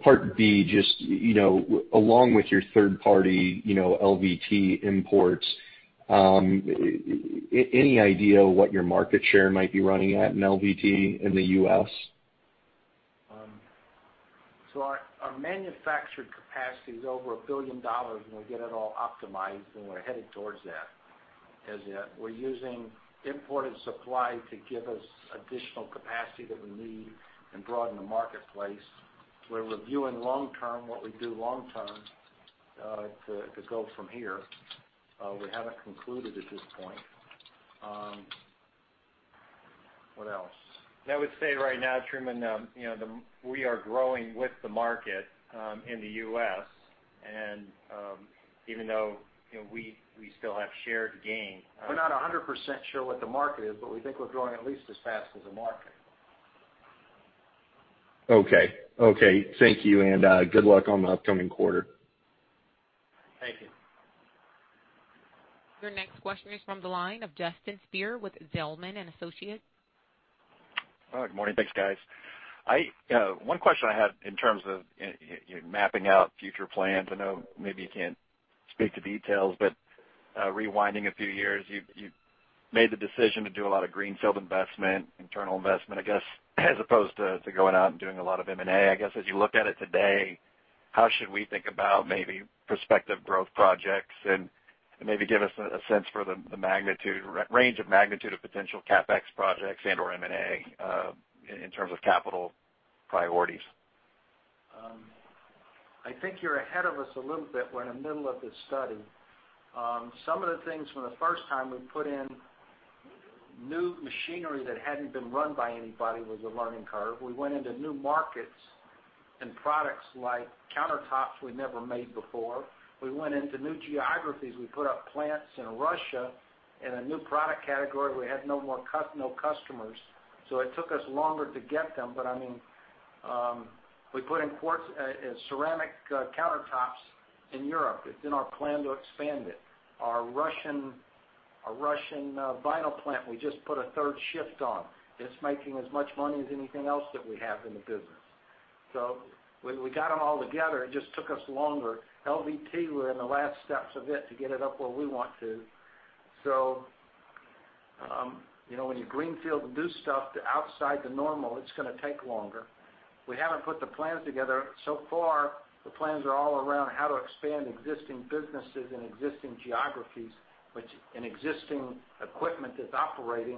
Part B, just along with your third-party LVT imports, any idea what your market share might be running at in LVT in the U.S.? Our manufactured capacity is over $1 billion when we get it all optimized, and we're headed towards that. As yet, we're using imported supply to give us additional capacity that we need and broaden the marketplace. We're reviewing long-term, what we do long-term, to go from here. We haven't concluded at this point. What else? I would say right now, Truman, we are growing with the market in the U.S., and even though we still have share gain. We're not 100% sure what the market is, but we think we're growing at least as fast as the market. Okay. Thank you, and good luck on the upcoming quarter. Thank you. Your next question is from the line of Justin Speer with Zelman & Associates. Good morning. Thanks, guys. One question I had in terms of mapping out future plans, I know maybe you can't speak to details, but rewinding a few years, you made the decision to do a lot of greenfield investment, internal investment, I guess, as opposed to going out and doing a lot of M&A. I guess as you look at it today, how should we think about maybe prospective growth projects? Maybe give us a sense for the range of magnitude of potential CapEx projects and/or M&A in terms of capital priorities. I think you're ahead of us a little bit. We're in the middle of this study. Some of the things from the first time we put in new machinery that hadn't been run by anybody was a learning curve. We went into new markets and products like countertops we never made before. We went into new geographies. We put up plants in Russia in a new product category. We had no customers, so it took us longer to get them, but we put in ceramic countertops in Europe. It's in our plan to expand it. Our Russian vinyl plant, we just put a third shift on. It's making as much money as anything else that we have in the business. We got them all together. It just took us longer. LVT, we're in the last steps of it to get it up where we want to. When you greenfield new stuff to outside the normal, it's going to take longer. We haven't put the plans together. So far, the plans are all around how to expand existing businesses in existing geographies, which in existing equipment is operating,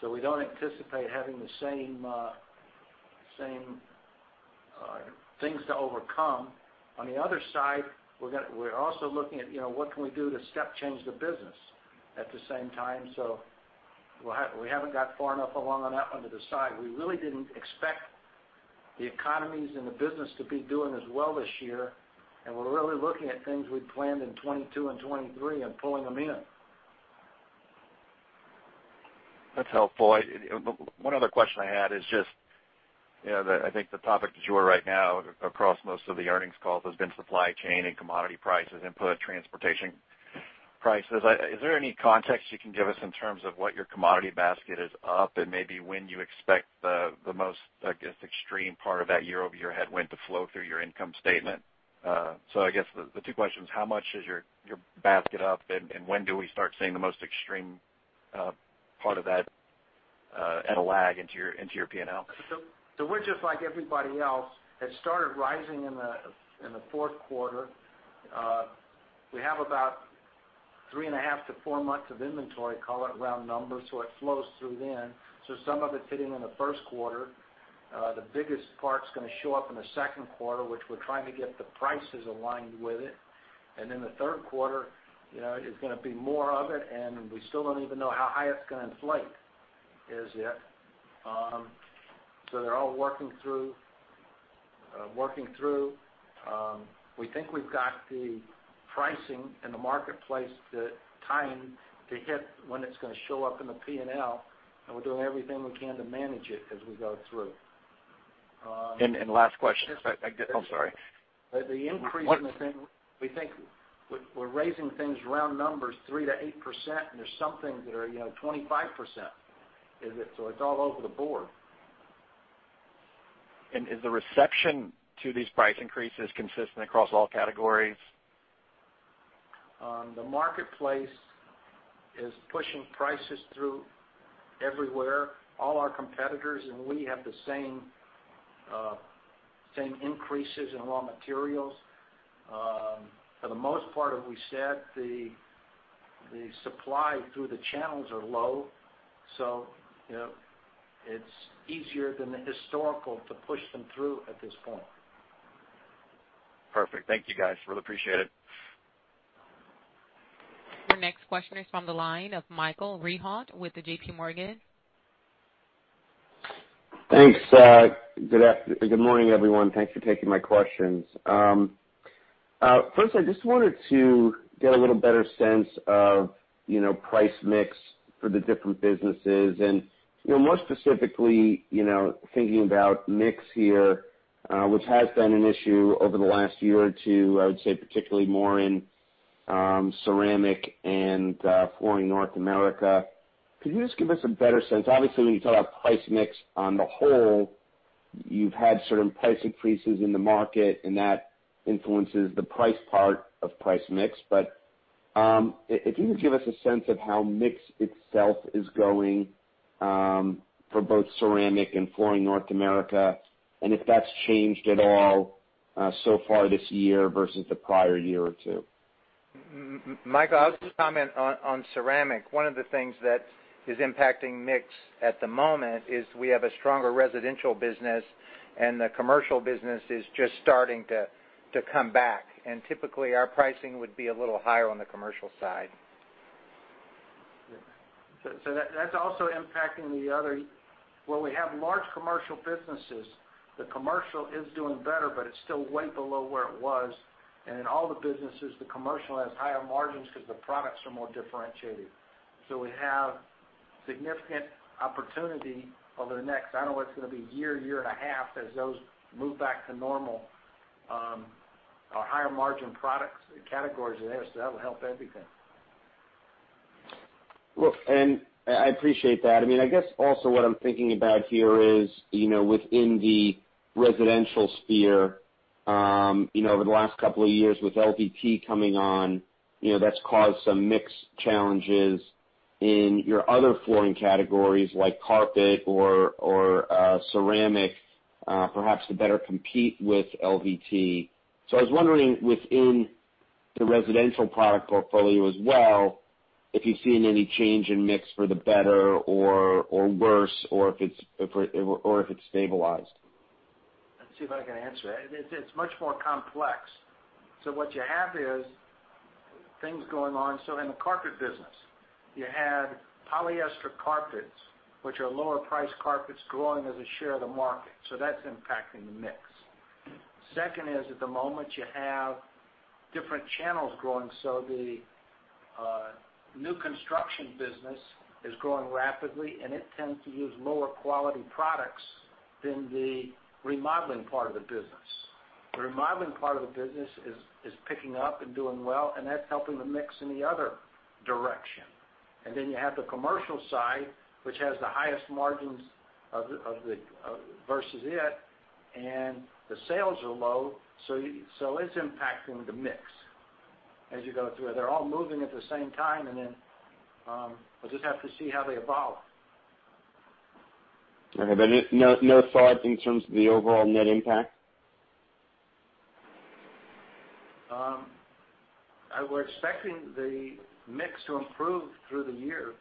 so we don't anticipate having the same things to overcome. On the other side, we're also looking at what can we do to step change the business at the same time. We haven't got far enough along on that one to decide. We really didn't expect the economies and the business to be doing as well this year, and we're really looking at things we'd planned in 2022 and 2023 and pulling them in. That's helpful. One other question I had is just that I think the topic du jour right now across most of the earnings calls has been supply chain and commodity prices, input transportation prices. Is there any context you can give us in terms of what your commodity basket is up and maybe when you expect the most, I guess, extreme part of that year-over-year headwind to flow through your income statement? I guess the two questions, how much is your basket up, and when do we start seeing the most extreme part of that at a lag into your P&L? We're just like everybody else. It started rising in the fourth quarter. We have about three and a half to four months of inventory, call it round numbers, it flows through then. Some of it's hitting in the first quarter. The biggest part's going to show up in the second quarter, which we're trying to get the prices aligned with it. In the third quarter, it's going to be more of it, and we still don't even know how high it's going to inflate as yet. They're all working through. We think we've got the pricing in the marketplace, the timing to hit when it's going to show up in the P&L, and we're doing everything we can to manage it as we go through. Last question. I'm sorry. The increase in the thing, we think we're raising things round numbers 3%-8%, and there's some things that are 25%. It's all over the board. Is the reception to these price increases consistent across all categories? The marketplace is pushing prices through everywhere. All our competitors and we have the same increases in raw materials. For the most part, as we said, the supply through the channels are low, so it's easier than the historical to push them through at this point. Perfect. Thank you, guys. Really appreciate it. Your next question is from the line of Michael Rehaut with JPMorgan. Thanks. Good morning, everyone. Thanks for taking my questions. First, I just wanted to get a little better sense of price mix for the different businesses and more specifically, thinking about mix here, which has been an issue over the last year or two, I would say particularly more in ceramic and Flooring North America. Could you just give us a better sense? Obviously, when you talk about price mix on the whole, you've had certain price increases in the market, and that influences the price part of price mix. If you could give us a sense of how mix itself is going for both ceramic and Flooring North America, and if that's changed at all so far this year versus the prior year or two. Michael, I'll just comment on ceramic. One of the things that is impacting mix at the moment is we have a stronger residential business, and the commercial business is just starting to come back. Typically, our pricing would be a little higher on the commercial side. That's also impacting. Well, we have large commercial businesses. The commercial is doing better, but it's still way below where it was. In all the businesses, the commercial has higher margins because the products are more differentiated. We have significant opportunity over the next, I don't know what it's going to be year, 1.5 years, as those move back to normal. Our higher margin products categories are there, so that will help everything. Look, I appreciate that. I guess also what I'm thinking about here is, within the residential sphere, over the last couple of years with LVT coming on, that's caused some mix challenges in your other flooring categories, like carpet or ceramic perhaps to better compete with LVT. I was wondering within the residential product portfolio as well, if you've seen any change in mix for the better or worse, or if it's stabilized. Let's see if I can answer that. It's much more complex. What you have is things going on. In the carpet business, you had polyester carpets, which are lower priced carpets growing as a share of the market, so that's impacting the mix. Second is, at the moment, you have different channels growing. The new construction business is growing rapidly, and it tends to use lower quality products than the remodeling part of the business. The remodeling part of the business is picking up and doing well, and that's helping the mix in the other direction. You have the commercial side, which has the highest margins versus it, and the sales are low, so it's impacting the mix as you go through it. They're all moving at the same time, and then we'll just have to see how they evolve. Okay. No thoughts in terms of the overall net impact? We're expecting the mix to improve through the year.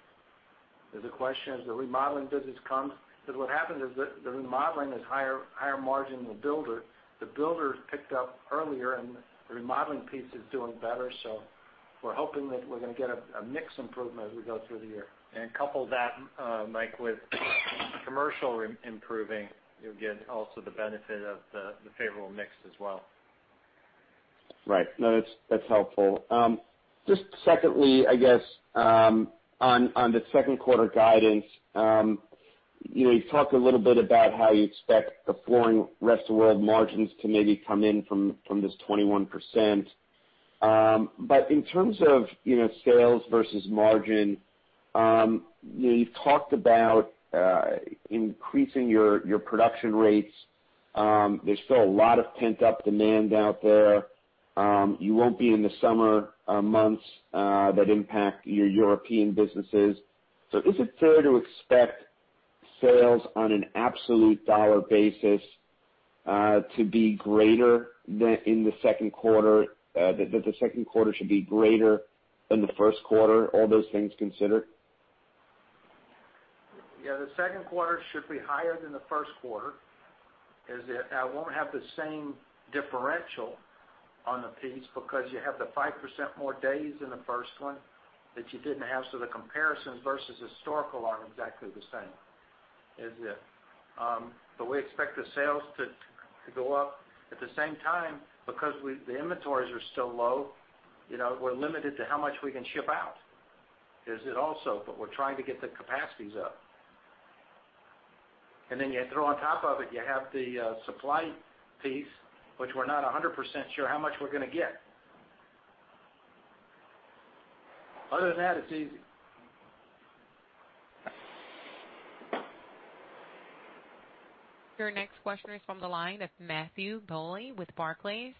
The question is. Because what happens is the remodeling is higher margin than the builder. The builder picked up earlier, and the remodeling piece is doing better. We're hoping that we're going to get a mix improvement as we go through the year. Couple that, Mike, with commercial improving, you'll get also the benefit of the favorable mix as well. Right. No, that's helpful. Just secondly, I guess, on the second quarter guidance. You talked a little bit about how you expect the Flooring Rest of the World margins to maybe come in from this 21%, but in terms of sales versus margin, you've talked about increasing your production rates. There's still a lot of pent-up demand out there. You won't be in the summer months that impact your European businesses. Is it fair to expect sales on an absolute dollar basis That the second quarter should be greater than the first quarter, all those things considered? Yeah, the second quarter should be higher than the first quarter, it won't have the same differential on the piece because you have the 5% more days than the first one that you didn't have. The comparisons versus historical aren't exactly the same, is it? We expect the sales to go up. At the same time, because the inventories are still low, we're limited to how much we can ship out, also, but we're trying to get the capacities up. You throw on top of it, you have the supply piece, which we're not 100% sure how much we're going to get. Other than that, it's easy. Your next question is from the line of Matthew Bouley with Barclays.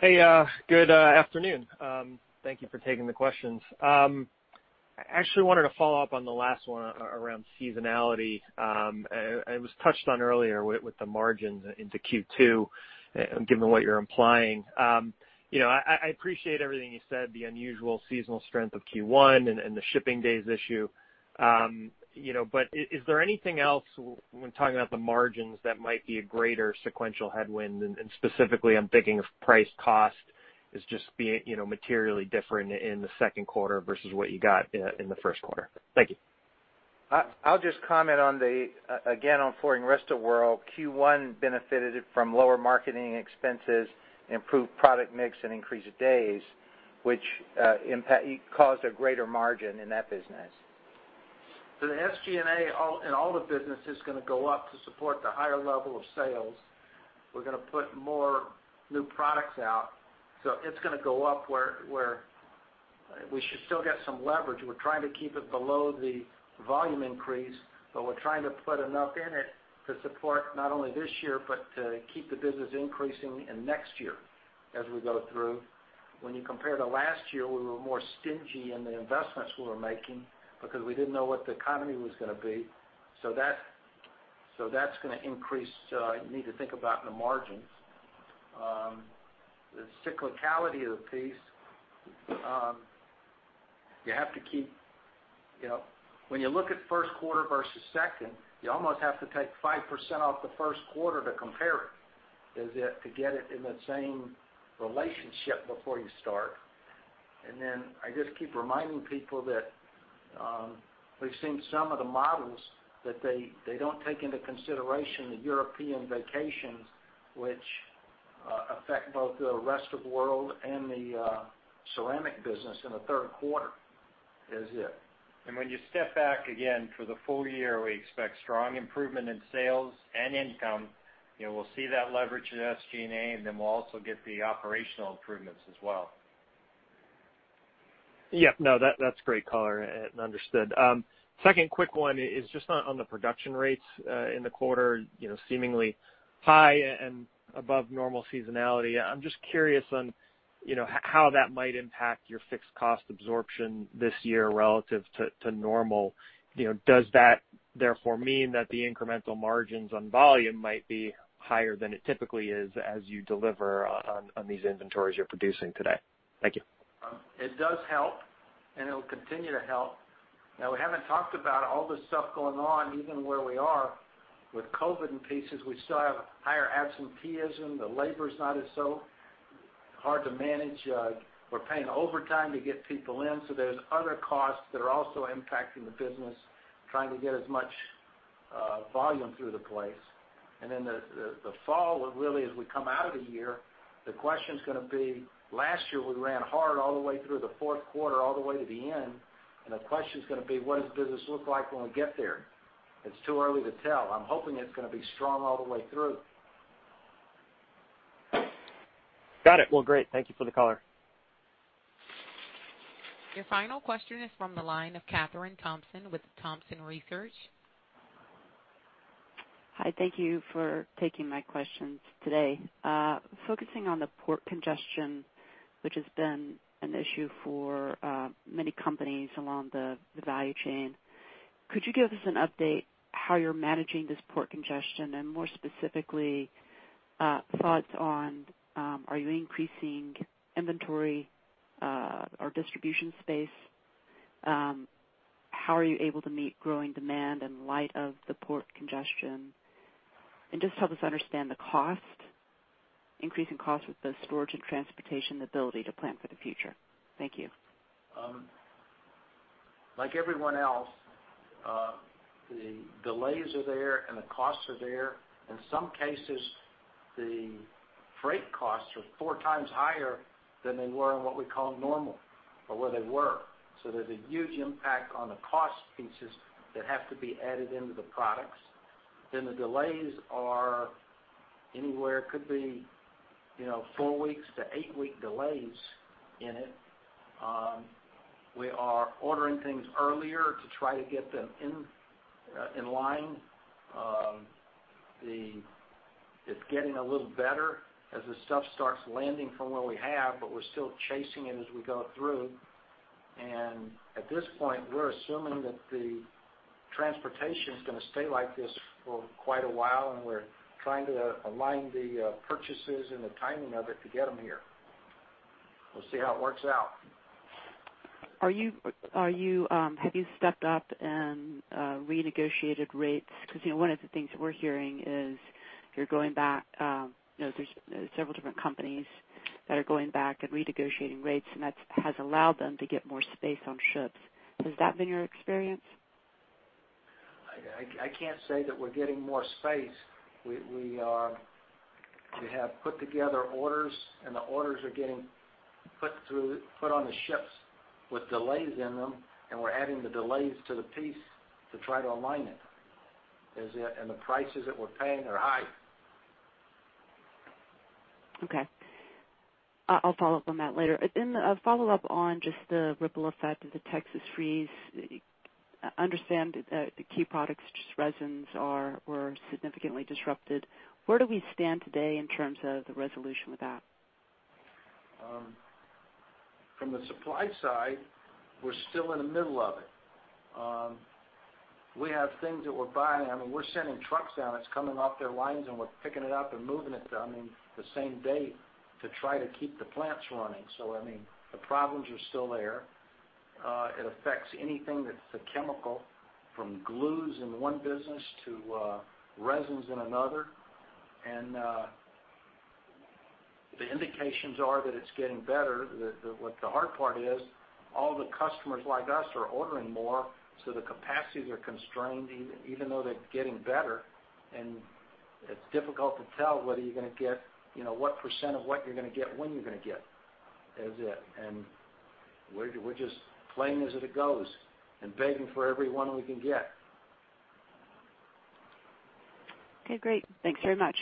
Hey, good afternoon. Thank you for taking the questions. I actually wanted to follow up on the last one around seasonality. It was touched on earlier with the margins into Q2, given what you're implying. I appreciate everything you said, the unusual seasonal strength of Q1 and the shipping days issue. Is there anything else when talking about the margins that might be a greater sequential headwind? Specifically, I'm thinking of price cost as just being materially different in the second quarter versus what you got in the first quarter. Thank you. I'll just comment, again, on Flooring Rest of the World. Q1 benefited from lower marketing expenses, improved product mix, and increase of days, which caused a greater margin in that business. The SG&A in all the business is going to go up to support the higher level of sales. We're going to put more new products out. It's going to go up where we should still get some leverage. We're trying to keep it below the volume increase, but we're trying to put enough in it to support not only this year, but to keep the business increasing in next year as we go through. When you compare to last year, we were more stingy in the investments we were making because we didn't know what the economy was going to be. That's going to increase. You need to think about the margins. The cyclicality of the piece, when you look at first quarter versus second, you almost have to take 5% off the first quarter to compare it, to get it in the same relationship before you start. I just keep reminding people that we've seen some of the models that they don't take into consideration the European vacations, which affect both the Rest of the World and the Ceramic business in the third quarter. That's it. When you step back again for the full year, we expect strong improvement in sales and income. We'll see that leverage in SG&A. We'll also get the operational improvements as well. Yeah. No, that's great color, and understood. Second quick one is just on the production rates in the quarter, seemingly high and above normal seasonality. I am just curious on how that might impact your fixed cost absorption this year relative to normal. Does that therefore mean that the incremental margins on volume might be higher than it typically is as you deliver on these inventories you are producing today? Thank you. It does help, and it'll continue to help. We haven't talked about all the stuff going on, even where we are with COVID and pieces. We still have higher absenteeism. The labor's not as so hard to manage. We're paying overtime to get people in, there's other costs that are also impacting the business, trying to get as much volume through the place. The fall, really, as we come out of the year, the question's going to be, last year, we ran hard all the way through the fourth quarter, all the way to the end, the question's going to be, what does business look like when we get there? It's too early to tell. I'm hoping it's going to be strong all the way through. Got it. Well, great. Thank you for the color. Your final question is from the line of Kathryn Thompson with Thompson Research. Hi, thank you for taking my questions today. Focusing on the port congestion, which has been an issue for many companies along the value chain, could you give us an update how you're managing this port congestion, and more specifically, thoughts on, are you increasing inventory or distribution space? How are you able to meet growing demand in light of the port congestion? Just help us understand the increasing cost with the storage and transportation ability to plan for the future. Thank you. Like everyone else, the delays are there, and the costs are there. In some cases, the freight costs are four times higher than they were in what we call normal or what they were. There's a huge impact on the cost pieces that have to be added into the products. The delays are anywhere, could be four weeks to eight-week delays in it. We are ordering things earlier to try to get them in line. It's getting a little better as the stuff starts landing from what we have, but we're still chasing it as we go through. At this point, we're assuming that the transportation's going to stay like this for quite a while, and we're trying to align the purchases and the timing of it to get them here. We'll see how it works out. Have you stepped up and renegotiated rates? One of the things we're hearing is there's several different companies that are going back and renegotiating rates, and that has allowed them to get more space on ships. Has that been your experience? I can't say that we're getting more space. We have put together orders. The orders are getting put on the ships with delays in them. We're adding the delays to the piece to try to align it. The prices that we're paying are high. Okay. I'll follow up on that later. A follow-up on just the ripple effect of the Texas freeze. I understand the key products, which is resins, were significantly disrupted. Where do we stand today in terms of the resolution with that? From the supply side, we're still in the middle of it. We have things that we're buying. I mean, we're sending trucks down. It's coming off their lines, and we're picking it up and moving it to them the same day to try to keep the plants running. I mean, the problems are still there. It affects anything that's a chemical, from glues in one business to resins in another. The indications are that it's getting better. What the hard part is, all the customers like us are ordering more, so the capacities are constrained even though they're getting better, and it's difficult to tell what % of what you're going to get, when you're going to get. That's it. We're just playing as it goes and begging for every one we can get. Okay, great. Thanks very much.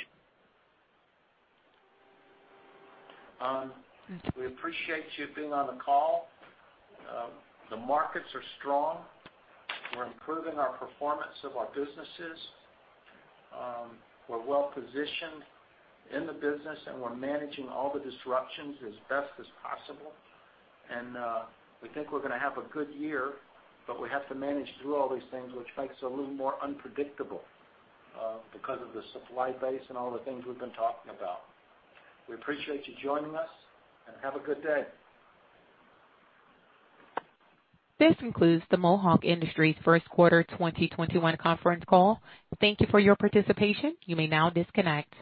We appreciate you being on the call. The markets are strong. We're improving our performance of our businesses. We're well-positioned in the business, we're managing all the disruptions as best as possible. We think we're going to have a good year, but we have to manage through all these things, which makes it a little more unpredictable because of the supply base and all the things we've been talking about. We appreciate you joining us, have a good day. This concludes the Mohawk Industries First Quarter 2021 Conference Call. Thank you for your participation. You may now disconnect.